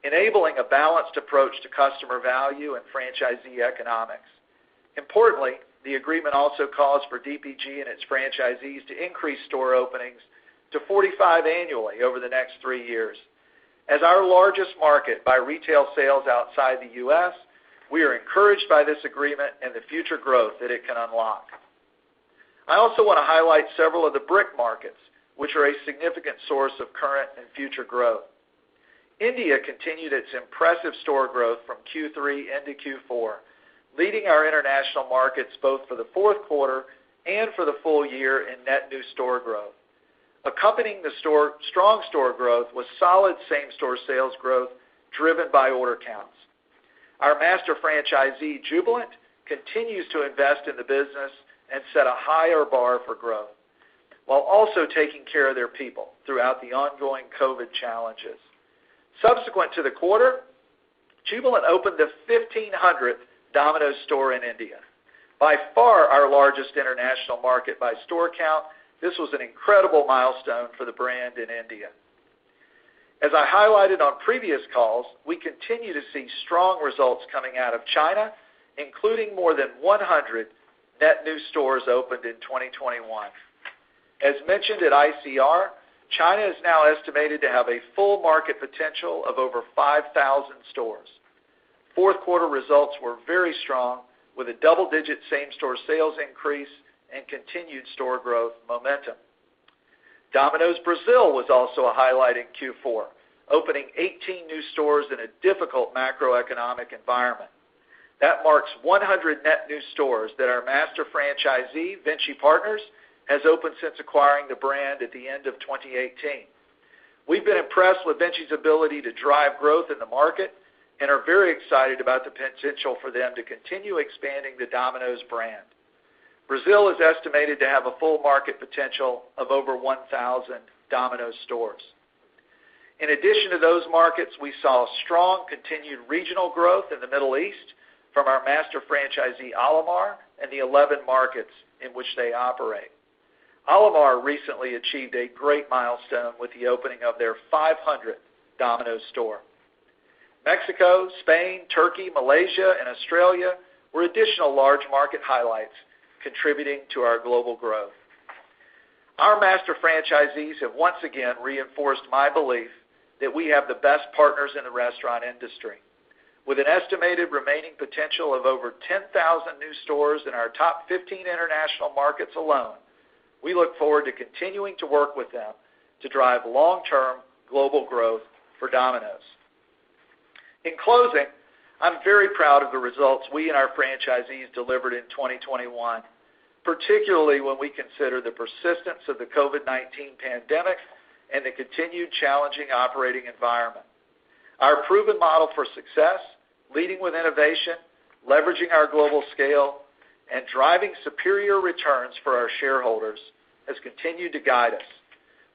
enabling a balanced approach to customer value and franchisee economics. Importantly, the agreement also calls for DPG and its franchisees to increase store openings to 45 annually over the next three years. As our largest market by retail sales outside the U.S., we are encouraged by this agreement and the future growth that it can unlock. I also want to highlight several of the BRIC markets, which are a significant source of current and future growth. India continued its impressive store growth from Q3 into Q4, leading our international markets both for the fourth quarter and for the full year in net new store growth. Accompanying the strong store growth was solid same-store sales growth driven by order counts. Our master franchisee, Jubilant, continues to invest in the business and set a higher bar for growth, while also taking care of their people throughout the ongoing COVID challenges. Subsequent to the quarter, Jubilant opened the 1,500 Domino's store in India. By far our largest international market by store count, this was an incredible milestone for the brand in India. As I highlighted on previous calls, we continue to see strong results coming out of China, including more than 100 net new stores opened in 2021. As mentioned at ICR, China is now estimated to have a full market potential of over 5,000 stores. Fourth quarter results were very strong, with a double-digit same-store sales increase and continued store growth momentum. Domino's Brazil was also a highlight in Q4, opening 18 new stores in a difficult macroeconomic environment. That marks 100 net new stores that our master franchisee, Vinci Partners, has opened since acquiring the brand at the end of 2018. We've been impressed with Vinci's ability to drive growth in the market and are very excited about the potential for them to continue expanding the Domino's brand. Brazil is estimated to have a full market potential of over 1,000 Domino's stores. In addition to those markets, we saw strong continued regional growth in the Middle East from our master franchisee Alamar and the 11 markets in which they operate. Alamar recently achieved a great milestone with the opening of their 500th Domino's store. Mexico, Spain, Turkey, Malaysia, and Australia were additional large market highlights contributing to our global growth. Our master franchisees have once again reinforced my belief that we have the best partners in the restaurant industry. With an estimated remaining potential of over 10,000 new stores in our top 15 international markets alone, we look forward to continuing to work with them to drive long-term global growth for Domino's. In closing, I'm very proud of the results we and our franchisees delivered in 2021, particularly when we consider the persistence of the COVID-19 pandemic and the continued challenging operating environment. Our proven model for success, leading with innovation, leveraging our global scale, and driving superior returns for our shareholders has continued to guide us.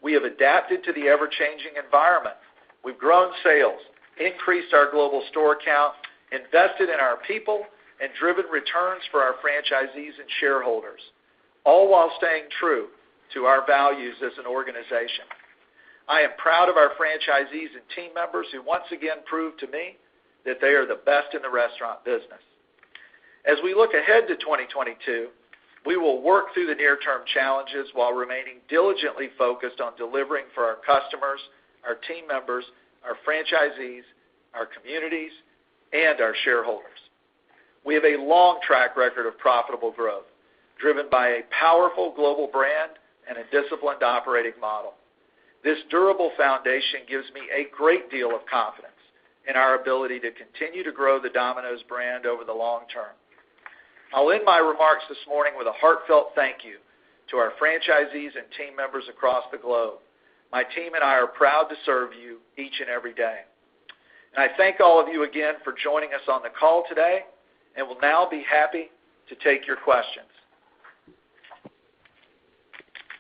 We have adapted to the ever-changing environment. We've grown sales, increased our global store count, invested in our people, and driven returns for our franchisees and shareholders, all while staying true to our values as an organization. I am proud of our franchisees and team members who once again proved to me that they are the best in the restaurant business. As we look ahead to 2022, we will work through the near-term challenges while remaining diligently focused on delivering for our customers, our team members, our franchisees, our communities, and our shareholders. We have a long track record of profitable growth driven by a powerful global brand and a disciplined operating model. This durable foundation gives me a great deal of confidence in our ability to continue to grow the Domino's brand over the long term. I'll end my remarks this morning with a heartfelt thank you to our franchisees and team members across the globe. My team and I are proud to serve you each and every day. I thank all of you again for joining us on the call today and will now be happy to take your questions.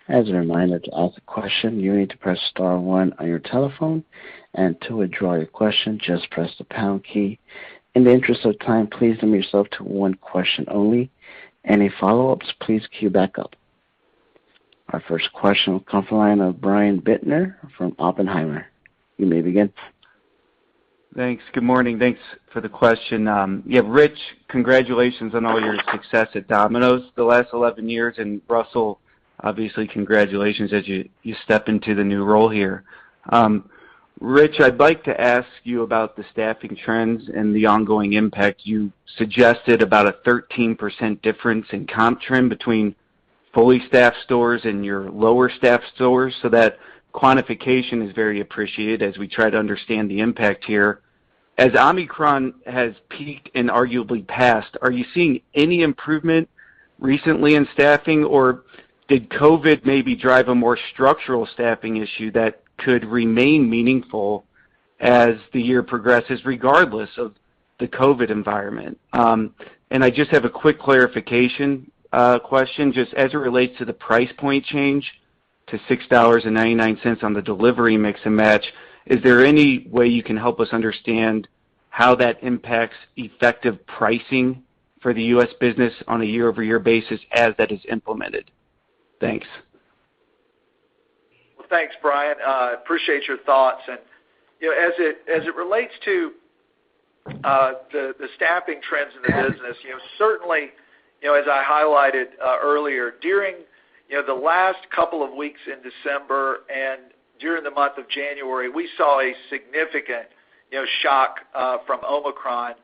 As a reminder, to ask a question, you need to press star one on your telephone, and to withdraw your question, just press the pound key. In the interest of time, please limit yourself to one question only. Any follow-ups, please queue back up. Our first question will come from the line of Brian Bittner from Oppenheimer. You may begin. Thanks. Good morning. Thanks for the question. Yeah, Ritch, congratulations on all your success at Domino's the last 11 years. Russell, obviously, congratulations as you step into the new role here. Ritch, I'd like to ask you about the staffing trends and the ongoing impact. You suggested about a 13% difference in comp trend between fully staffed stores and your lower staffed stores, so that quantification is very appreciated as we try to understand the impact here. As Omicron has peaked and arguably passed, are you seeing any improvement recently in staffing, or did COVID maybe drive a more structural staffing issue that could remain meaningful as the year progresses, regardless of the COVID environment? I just have a quick clarification question, just as it relates to the price point change to $6.99 on the delivery Mix & Match. Is there any way you can help us understand how that impacts effective pricing for the U.S. business on a year-over-year basis as that is implemented? Thanks. Well, thanks, Brian. Appreciate your thoughts. You know, as it relates to the staffing trends in the business, you know, certainly, you know, as I highlighted earlier, during the last couple of weeks in December and during the month of January, we saw a significant shock from Omicron,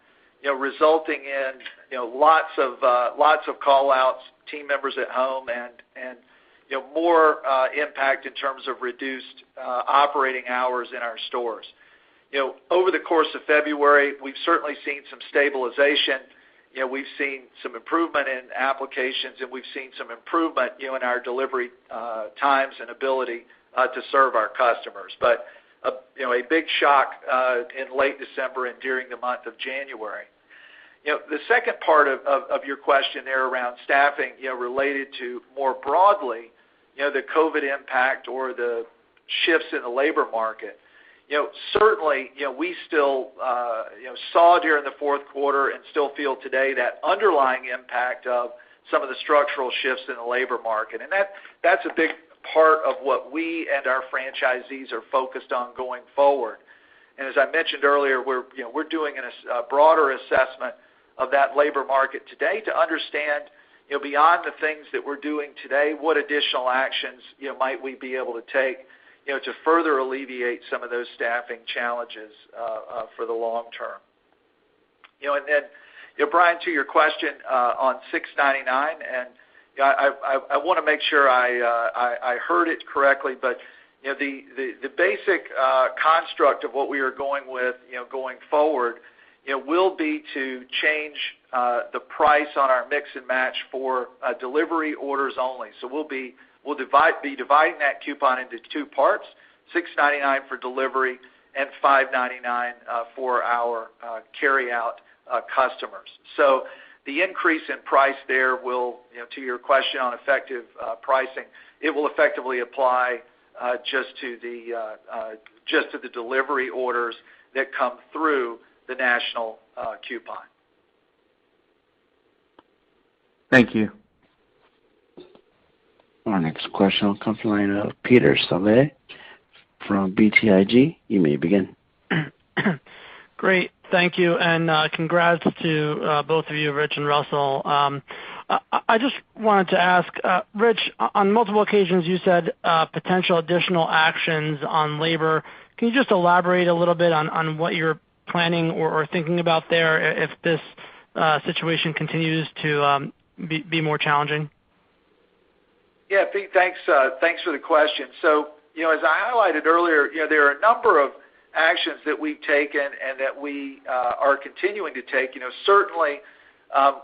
you know, resulting in lots of call-outs, team members at home and more impact in terms of reduced operating hours in our stores. You know, over the course of February, we've certainly seen some stabilization. You know, we've seen some improvement in applications, and we've seen some improvement in our delivery times and ability to serve our customers. You know, a big shock in late December and during the month of January. You know, the second part of your question there around staffing, you know, related to more broadly, you know, the COVID impact or the shifts in the labor market. You know, certainly, you know, we still saw during the fourth quarter and still feel today that underlying impact of some of the structural shifts in the labor market. That's a big part of what we and our franchisees are focused on going forward. As I mentioned earlier, we're doing a broader assessment of that labor market today to understand, you know, beyond the things that we're doing today, what additional actions, you know, might we be able to take, you know, to further alleviate some of those staffing challenges for the long term. You know, Brian, to your question on $6.99, I wanna make sure I heard it correctly, but you know, the basic construct of what we are going with going forward will be to change the price on our Mix & Match for delivery orders only. We'll be dividing that coupon into two parts, $6.99 for delivery and $5.99 for our carryout customers. The increase in price there will, you know, to your question on effective pricing, it will effectively apply just to the delivery orders that come through the national coupon. Thank you. Our next question will come from the line of Peter Saleh from BTIG. You may begin. Great. Thank you, and congrats to both of you, Ritch and Russell. I just wanted to ask, Ritch, on multiple occasions, you said potential additional actions on labor. Can you just elaborate a little bit on what you're planning or thinking about there if this situation continues to be more challenging? Yeah, Pete, thanks. Thanks for the question. You know, as I highlighted earlier, you know, there are a number of actions that we've taken and that we are continuing to take. You know, certainly,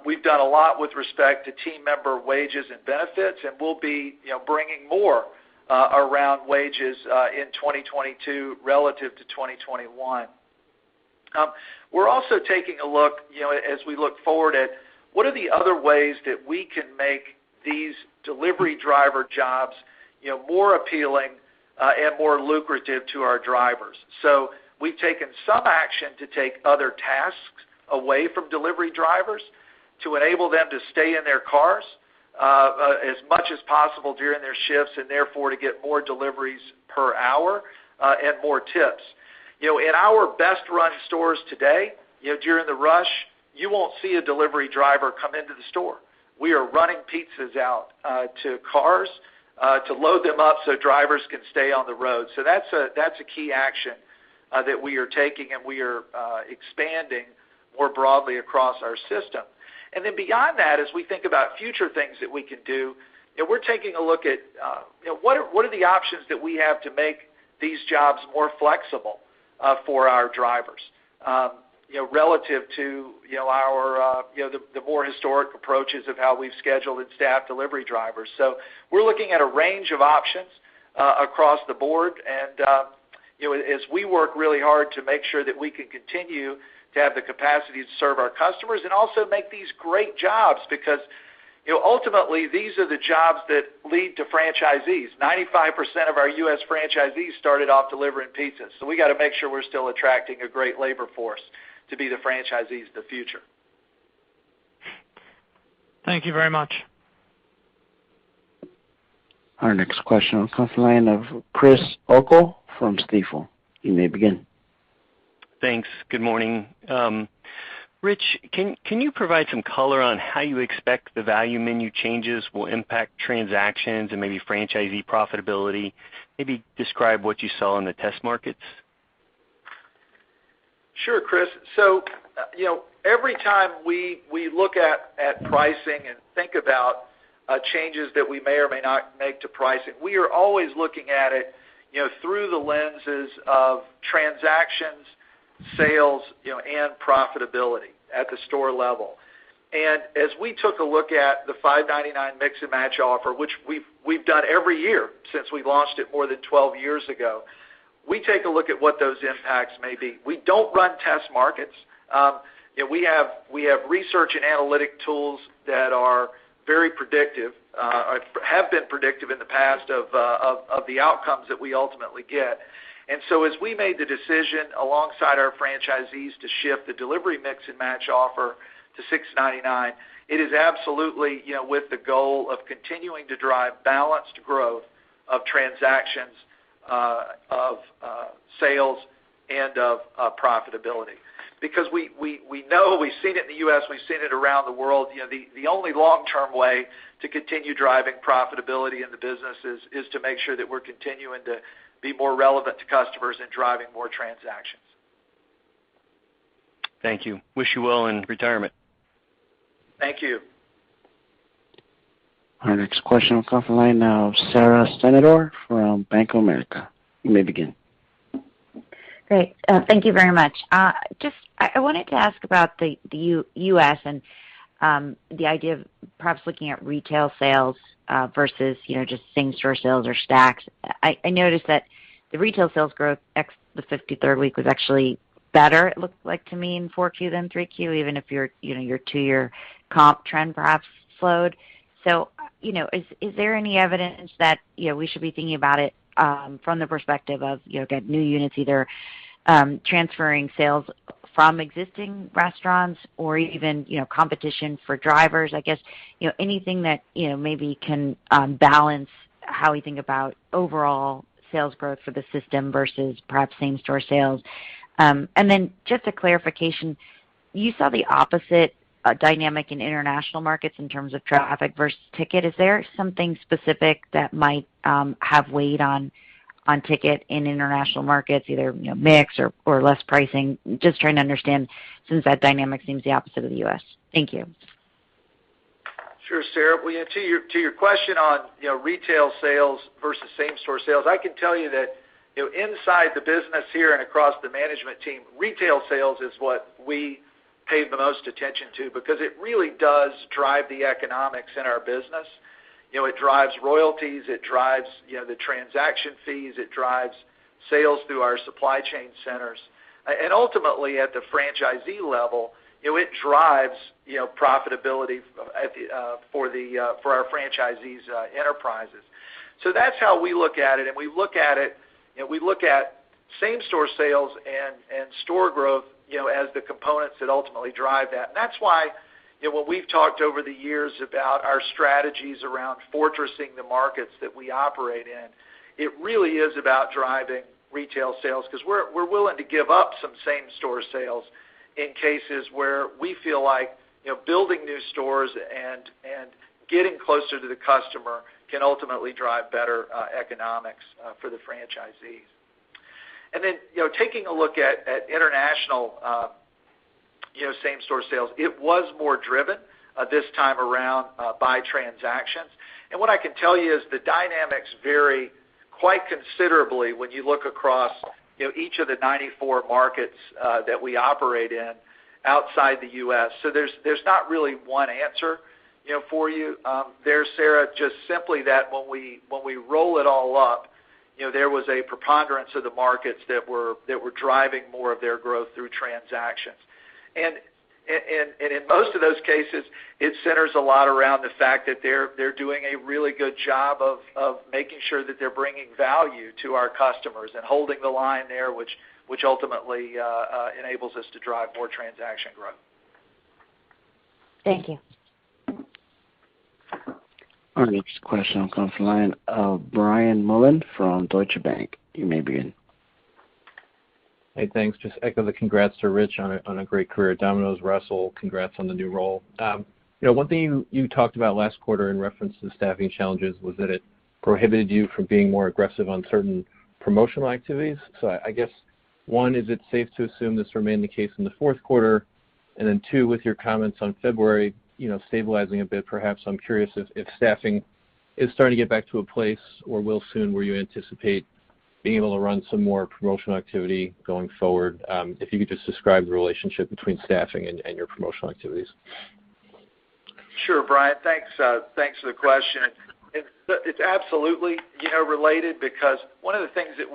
we've done a lot with respect to team member wages and benefits, and we'll be, you know, bringing more around wages in 2022 relative to 2021. We're also taking a look, you know, as we look forward at what are the other ways that we can make these delivery driver jobs, you know, more appealing and more lucrative to our drivers. We've taken some action to take other tasks away from delivery drivers to enable them to stay in their cars as much as possible during their shifts, and therefore, to get more deliveries per hour and more tips. You know, in our best run stores today, you know, during the rush, you won't see a delivery driver come into the store. We are running pizzas out to cars to load them up so drivers can stay on the road. That's a key action that we are taking, and we are expanding more broadly across our system. Then beyond that, as we think about future things that we can do, you know, we're taking a look at you know what are the options that we have to make these jobs more flexible for our drivers, you know, relative to you know our you know the more historic approaches of how we've scheduled and staffed delivery drivers. We're looking at a range of options across the board. You know, as we work really hard to make sure that we can continue to have the capacity to serve our customers and also make these great jobs because, you know, ultimately, these are the jobs that lead to franchisees. 95% of our U.S. franchisees started off delivering pizzas, so we gotta make sure we're still attracting a great labor force to be the franchisees of the future. Thank you very much. Our next question comes from the line of Chris O'Cull from Stifel. You may begin. Thanks. Good morning. Ritch, can you provide some color on how you expect the value menu changes will impact transactions and maybe franchisee profitability? Maybe describe what you saw in the test markets. Sure, Chris. So, you know, every time we look at pricing and think about changes that we may or may not make to pricing, we are always looking at it, you know, through the lenses of transactions, sales, you know, and profitability at the store level. As we took a look at the $5.99 Mix & Match offer, which we've done every year since we've launched it more than 12 years ago, we take a look at what those impacts may be. We don't run test markets. You know, we have research and analytic tools that are very predictive or have been predictive in the past of the outcomes that we ultimately get. As we made the decision alongside our franchisees to shift the delivery Mix & Match offer to $6.99, it is absolutely, you know, with the goal of continuing to drive balanced growth of transactions, of sales and of profitability. Because we know, we've seen it in the U.S., we've seen it around the world, you know, the only long-term way to continue driving profitability in the business is to make sure that we're continuing to be more relevant to customers and driving more transactions. Thank you. Wish you well in retirement. Thank you. Our next question comes from the line of Sara Senatore from Bank of America. You may begin. Great. Thank you very much. Just I wanted to ask about the U.S. and the idea of perhaps looking at retail sales versus, you know, just same-store sales or stacks. I noticed that the retail sales growth ex the 53rd week was actually better, it looked like to me in 4Q than 3Q, even if your, you know, your two-year comp trend perhaps slowed. Is there any evidence that, you know, we should be thinking about it from the perspective of, you know, new units either transferring sales from existing restaurants or even, you know, competition for drivers? I guess anything that, you know, maybe can balance how we think about overall sales growth for the system versus perhaps same-store sales. Just a clarification, you saw the opposite dynamic in international markets in terms of traffic versus ticket. Is there something specific that might have weighed on ticket in international markets, either, you know, mix or less pricing? Just trying to understand since that dynamic seems the opposite of the U.S. Thank you. Sure, Sara. Well, you know, to your question on, you know, retail sales versus same-store sales, I can tell you that, you know, inside the business here and across the management team, retail sales is what we pay the most attention to because it really does drive the economics in our business. You know, it drives royalties, it drives, you know, the transaction fees, it drives sales through our supply chain centers. And ultimately, at the franchisee level, you know, it drives, you know, profitability for our franchisees' enterprises. That's how we look at it, and we look at same-store sales and store growth, you know, as the components that ultimately drive that. That's why, you know, when we've talked over the years about our strategies around fortressing the markets that we operate in, it really is about driving retail sales because we're willing to give up some same-store sales in cases where we feel like, you know, building new stores and getting closer to the customer can ultimately drive better economics for the franchisees. Then, you know, taking a look at international, you know, same-store sales, it was more driven, this time around, by transactions. What I can tell you is the dynamics vary quite considerably when you look across, you know, each of the 94 markets that we operate in outside the U.S. There's not really one answer, you know, for you, Sara, just simply that when we roll it all up, you know, there was a preponderance of the markets that were driving more of their growth through transactions. In most of those cases, it centers a lot around the fact that they're doing a really good job of making sure that they're bringing value to our customers and holding the line there, which ultimately enables us to drive more transaction growth. Thank you. Our next question comes from the line of Brian Mullan from Deutsche Bank. You may begin. Hey, thanks. Just echo the congrats to Ritch on a great career at Domino's. Russell, congrats on the new role. You know, one thing you talked about last quarter in reference to staffing challenges was that it prohibited you from being more aggressive on certain promotional activities. I guess, one, is it safe to assume this remained the case in the fourth quarter? Then two, with your comments on February, you know, stabilizing a bit perhaps, I'm curious if staffing is starting to get back to a place or will soon where you anticipate being able to run some more promotional activity going forward, if you could just describe the relationship between staffing and your promotional activities. Sure, Brian. Thanks, thanks for the question. It's absolutely, you know, related because one of the things that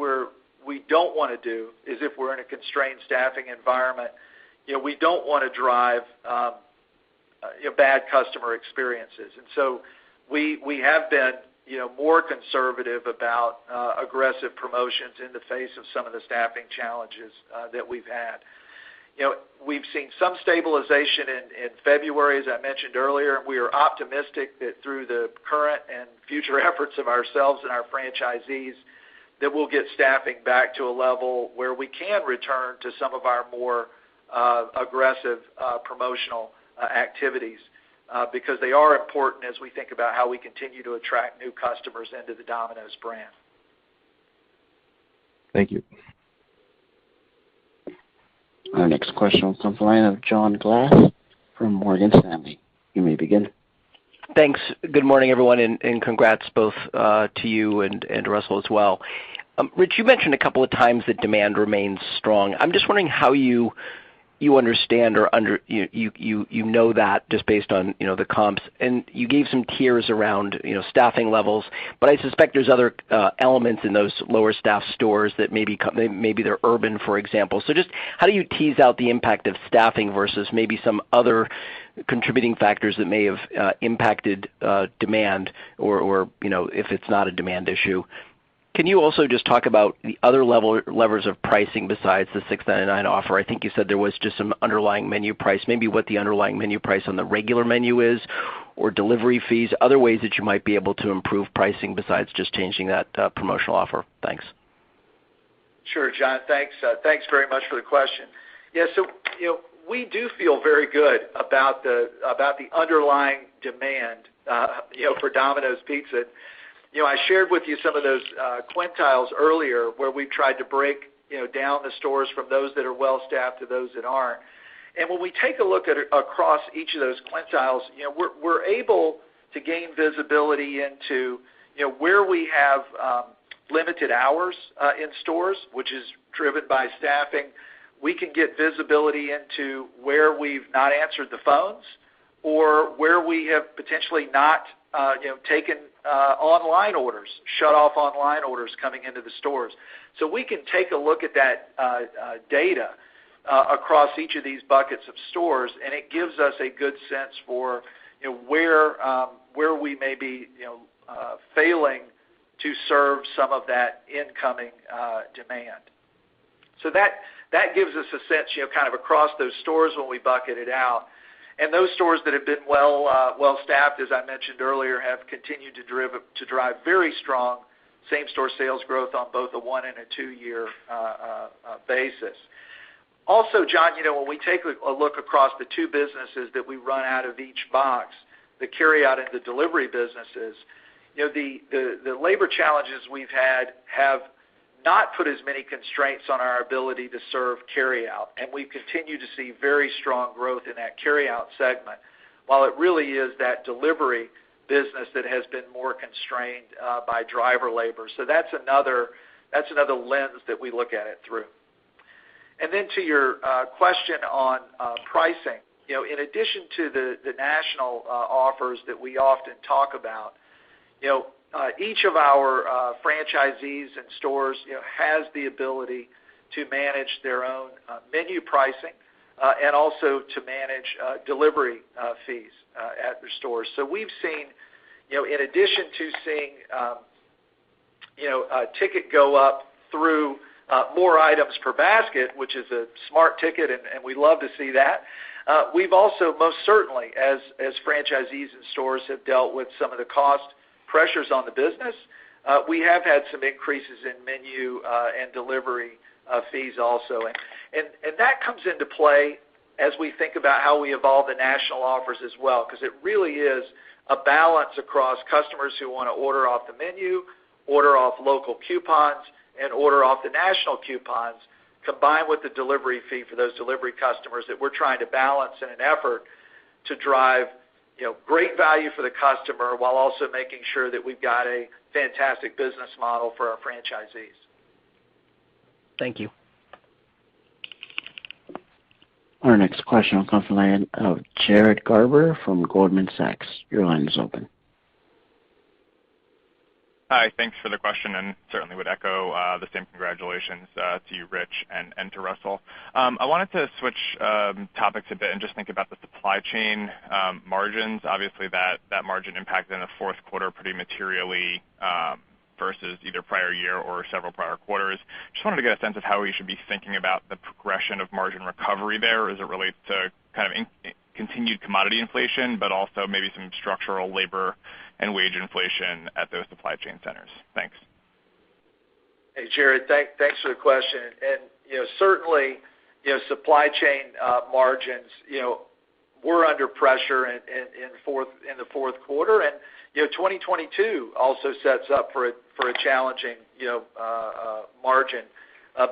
we don't wanna do is if we're in a constrained staffing environment, you know, we don't wanna drive, you know, bad customer experiences. We have been, you know, more conservative about aggressive promotions in the face of some of the staffing challenges that we've had. You know, we've seen some stabilization in February, as I mentioned earlier. We are optimistic that through the current and future efforts of ourselves and our franchisees, that we'll get staffing back to a level where we can return to some of our more aggressive promotional activities because they are important as we think about how we continue to attract new customers into the Domino's brand. Thank you. Our next question comes from the line of John Glass from Morgan Stanley. You may begin. Thanks. Good morning, everyone, congrats both to you and Russell as well. Ritch, you mentioned a couple of times that demand remains strong. I'm just wondering how you understand you know that just based on, you know, the comps, and you gave some tiers around, you know, staffing levels. I suspect there's other elements in those lower-staffed stores that maybe they're urban, for example. Just how do you tease out the impact of staffing versus maybe some other contributing factors that may have impacted demand or you know if it's not a demand issue? Can you also just talk about the other levers of pricing besides the $6.99 offer? I think you said there was just some underlying menu price, maybe what the underlying menu price on the regular menu is, or delivery fees, other ways that you might be able to improve pricing besides just changing that promotional offer. Thanks. Sure, John. Thanks. Thanks very much for the question. You know, we do feel very good about the underlying demand, you know, for Domino's Pizza. You know, I shared with you some of those quintiles earlier, where we've tried to break, you know, down the stores from those that are well-staffed to those that aren't. When we take a look at it across each of those quintiles, you know, we're able to gain visibility into, you know, where we have limited hours in stores, which is driven by staffing. We can get visibility into where we've not answered the phones or where we have potentially not, you know, taken online orders, shut off online orders coming into the stores. We can take a look at that data across each of these buckets of stores, and it gives us a good sense for, you know, where we may be, you know, failing to serve some of that incoming demand. That gives us a sense, you know, kind of across those stores when we bucket it out. Those stores that have been well-staffed, as I mentioned earlier, have continued to drive very strong same-store sales growth on both a 1-year and a 2-year basis. Also, John, you know, when we take a look across the two businesses that we run out of each box, the carryout and the delivery businesses, you know, the labor challenges we've had have not put as many constraints on our ability to serve carryout, and we continue to see very strong growth in that carryout segment, while it really is that delivery business that has been more constrained by driver labor. That's another lens that we look at it through. Then to your question on pricing. You know, in addition to the national offers that we often talk about, you know, each of our franchisees and stores has the ability to manage their own menu pricing and also to manage delivery fees at their stores. We've seen, you know, in addition to seeing, you know, a ticket go up through more items per basket, which is a smart ticket, and we love to see that. We've also most certainly as franchisees and stores have dealt with some of the cost pressures on the business, we have had some increases in menu and delivery fees also. That comes into play as we think about how we evolve the national offers as well, because it really is a balance across customers who wanna order off the menu, order off local coupons, and order off the national coupons, combined with the delivery fee for those delivery customers that we're trying to balance in an effort to drive, you know, great value for the customer while also making sure that we've got a fantastic business model for our franchisees. Thank you. Our next question will come from the line of Jared Garber from Goldman Sachs. Your line is open. Hi. Thanks for the question, and certainly would echo the same congratulations to you, Ritch, and to Russell. I wanted to switch topics a bit and just think about the supply chain margins. Obviously that margin impacted in the fourth quarter pretty materially versus either prior year or several prior quarters. Just wanted to get a sense of how we should be thinking about the progression of margin recovery there as it relates to kind of continued commodity inflation, but also maybe some structural labor and wage inflation at those supply chain centers. Thanks. Hey, Jared. Thanks for the question. You know, certainly, supply chain margins were under pressure in the fourth quarter. You know, 2022 also sets up for a challenging margin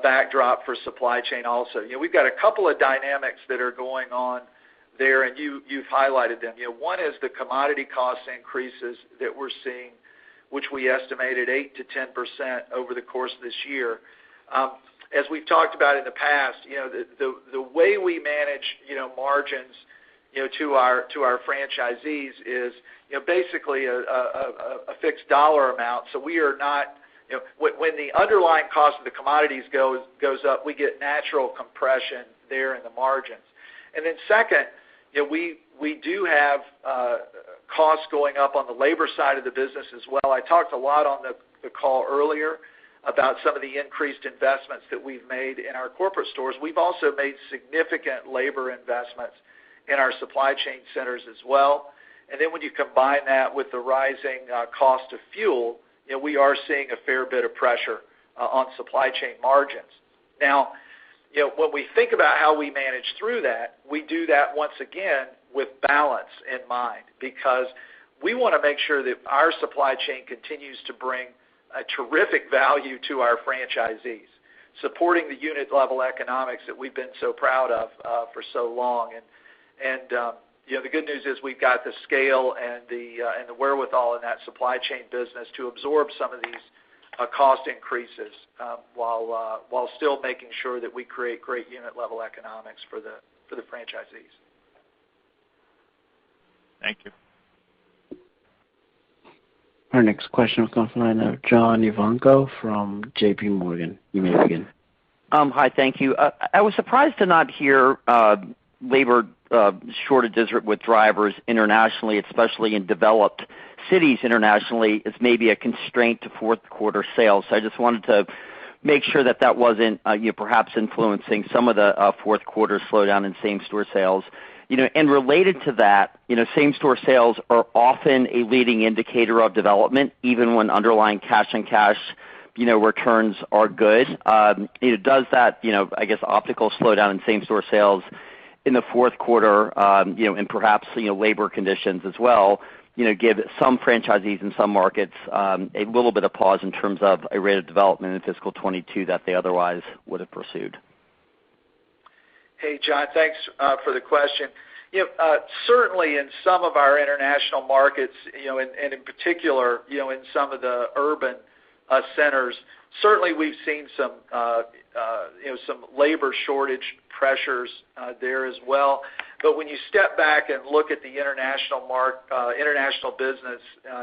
backdrop for supply chain also. You know, we've got a couple of dynamics that are going on there, and you've highlighted them. You know, one is the commodity cost increases that we're seeing, which we estimated 8%-10% over the course of this year. As we've talked about in the past, you know, the way we manage margins to our franchisees is basically a fixed dollar amount. So we are not, you know... When the underlying cost of the commodities goes up, we get natural compression there in the margins. Second, you know, we do have costs going up on the labor side of the business as well. I talked a lot on the call earlier about some of the increased investments that we've made in our corporate stores. We've also made significant labor investments in our supply chain centers as well. Then when you combine that with the rising cost of fuel, you know, we are seeing a fair bit of pressure on supply chain margins. Now, you know, when we think about how we manage through that, we do that once again with balance in mind because we wanna make sure that our supply chain continues to bring a terrific value to our franchisees, supporting the unit level economics that we've been so proud of for so long. You know, the good news is we've got the scale and the wherewithal in that supply chain business to absorb some of these cost increases while still making sure that we create great unit level economics for the franchisees. Thank you. Our next question will come from the line of John Ivankoe from J.P. Morgan. You may begin. Hi. Thank you. I was surprised to not hear labor shortages with drivers internationally, especially in developed cities internationally as maybe a constraint to fourth quarter sales. I just wanted to make sure that that wasn't, you know, perhaps influencing some of the fourth quarter slowdown in same-store sales. You know, related to that, you know, same-store sales are often a leading indicator of development, even when underlying cash-on-cash returns are good. Does that, you know, I guess, optical slowdown in same-store sales in the fourth quarter, you know, and perhaps, you know, labor conditions as well, you know, give some franchisees in some markets a little bit of pause in terms of a rate of development in fiscal 2022 that they otherwise would have pursued? Hey, John. Thanks for the question. You know, certainly in some of our international markets, you know, and in particular, you know, in some of the urban centers, certainly we've seen some you know some labor shortage pressures there as well. But when you step back and look at the international business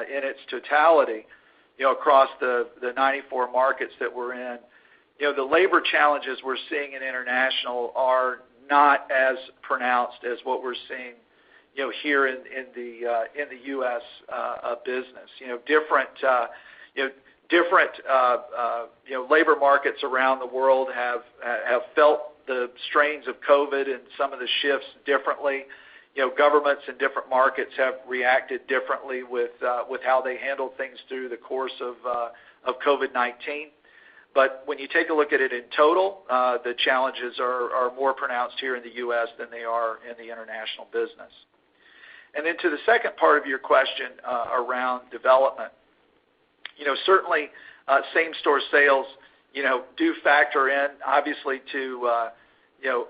in its totality, you know, across the 94 markets that we're in, you know, the labor challenges we're seeing in international are not as pronounced as what we're seeing you know here in the U.S. business. You know, different you know different you know labor markets around the world have felt the strains of COVID and some of the shifts differently. You know, governments in different markets have reacted differently with how they handled things through the course of COVID-19. When you take a look at it in total, the challenges are more pronounced here in the U.S. than they are in the international business. To the second part of your question, around development. You know, certainly, same-store sales, you know, do factor in obviously to, you know,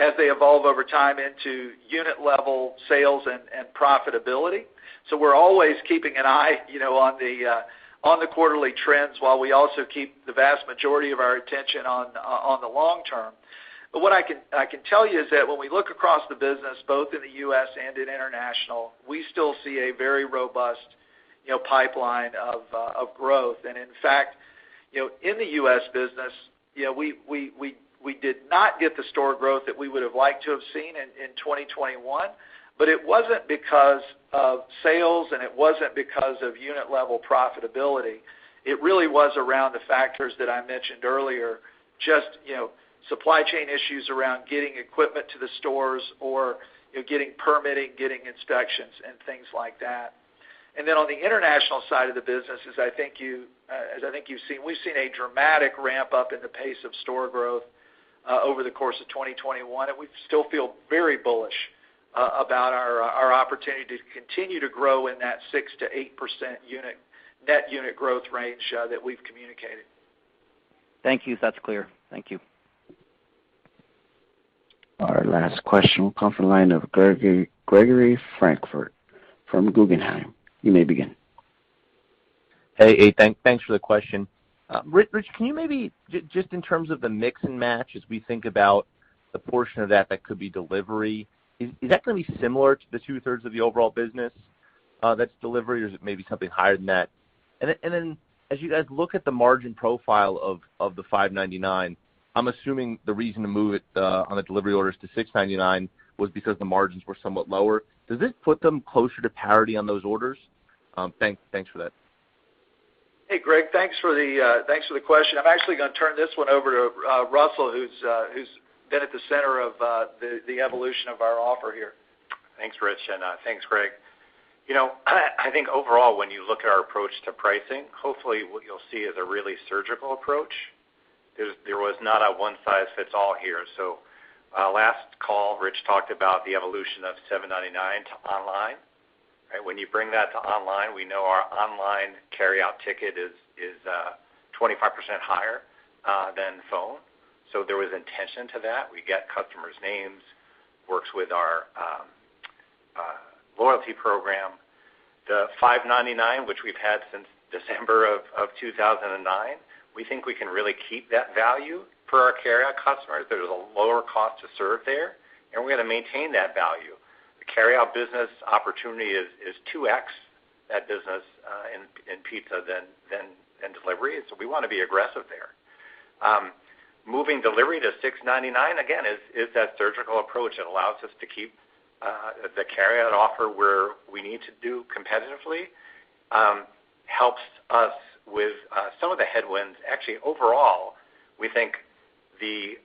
as they evolve over time into unit level sales and profitability. We're always keeping an eye, you know, on the quarterly trends while we also keep the vast majority of our attention on the long term. What I can tell you is that when we look across the business, both in the US and in international, we still see a very robust, you know, pipeline of growth. In fact, you know, in the US business, you know, we did not get the store growth that we would have liked to have seen in 2021, but it wasn't because of sales and it wasn't because of unit level profitability. It really was around the factors that I mentioned earlier, just, you know, supply chain issues around getting equipment to the stores or, you know, getting permitting, getting inspections and things like that. On the international side of the business, as I think you've seen, we've seen a dramatic ramp up in the pace of store growth over the course of 2021, and we still feel very bullish about our opportunity to continue to grow in that 6%-8% net unit growth range that we've communicated. Thank you. That's clear. Thank you. Our last question will come from the line of Gregory Francfort from Guggenheim. You may begin. Thanks for the question. Ritch, can you maybe just in terms of the Mix & Match as we think about the portion of that that could be delivery, is that gonna be similar to the two-thirds of the overall business that's delivery or is it maybe something higher than that? Then as you guys look at the margin profile of the $5.99, I'm assuming the reason to move it on the delivery orders to $6.99 was because the margins were somewhat lower. Does this put them closer to parity on those orders? Thanks for that. Hey, Greg, thanks for the question. I'm actually gonna turn this one over to Russell, who's been at the center of the evolution of our offer here. Thanks, Ritch, and thanks, Gregory. You know, I think overall, when you look at our approach to pricing, hopefully what you'll see is a really surgical approach. There was not a one size fits all here. Last call, Ritch talked about the evolution of $7.99 to online, right? When you bring that to online, we know our online carryout ticket is 25% higher than phone. There was intention to that. We get customers' names, works with our loyalty program. The $5.99, which we've had since December of 2009, we think we can really keep that value for our carryout customers. There's a lower cost to serve there, and we're gonna maintain that value. The carryout business opportunity is 2x that business in pizza than in delivery, and we wanna be aggressive there. Moving delivery to $6.99, again, is that surgical approach. It allows us to keep the carryout offer where we need to do competitively, helps us with some of the headwinds. Actually, overall, we think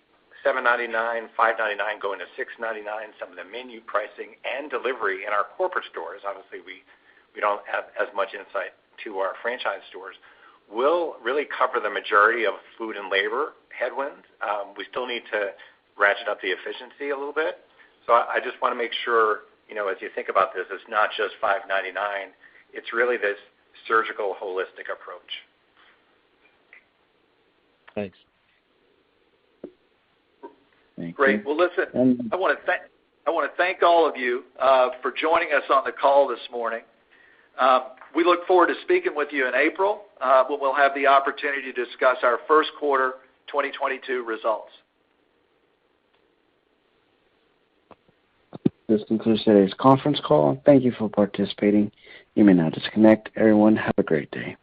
the $7.99, $5.99 going to $6.99, some of the menu pricing and delivery in our corporate stores, obviously, we don't have as much insight to our franchise stores, will really cover the majority of food and labor headwinds. We still need to ratchet up the efficiency a little bit. I just wanna make sure, you know, as you think about this, it's not just $5.99, it's really this surgical holistic approach. Thanks. Great. Well, listen, I wanna thank all of you for joining us on the call this morning. We look forward to speaking with you in April, when we'll have the opportunity to discuss our first quarter 2022 results. This concludes today's conference call. Thank you for participating. You may now disconnect. Everyone, have a great day.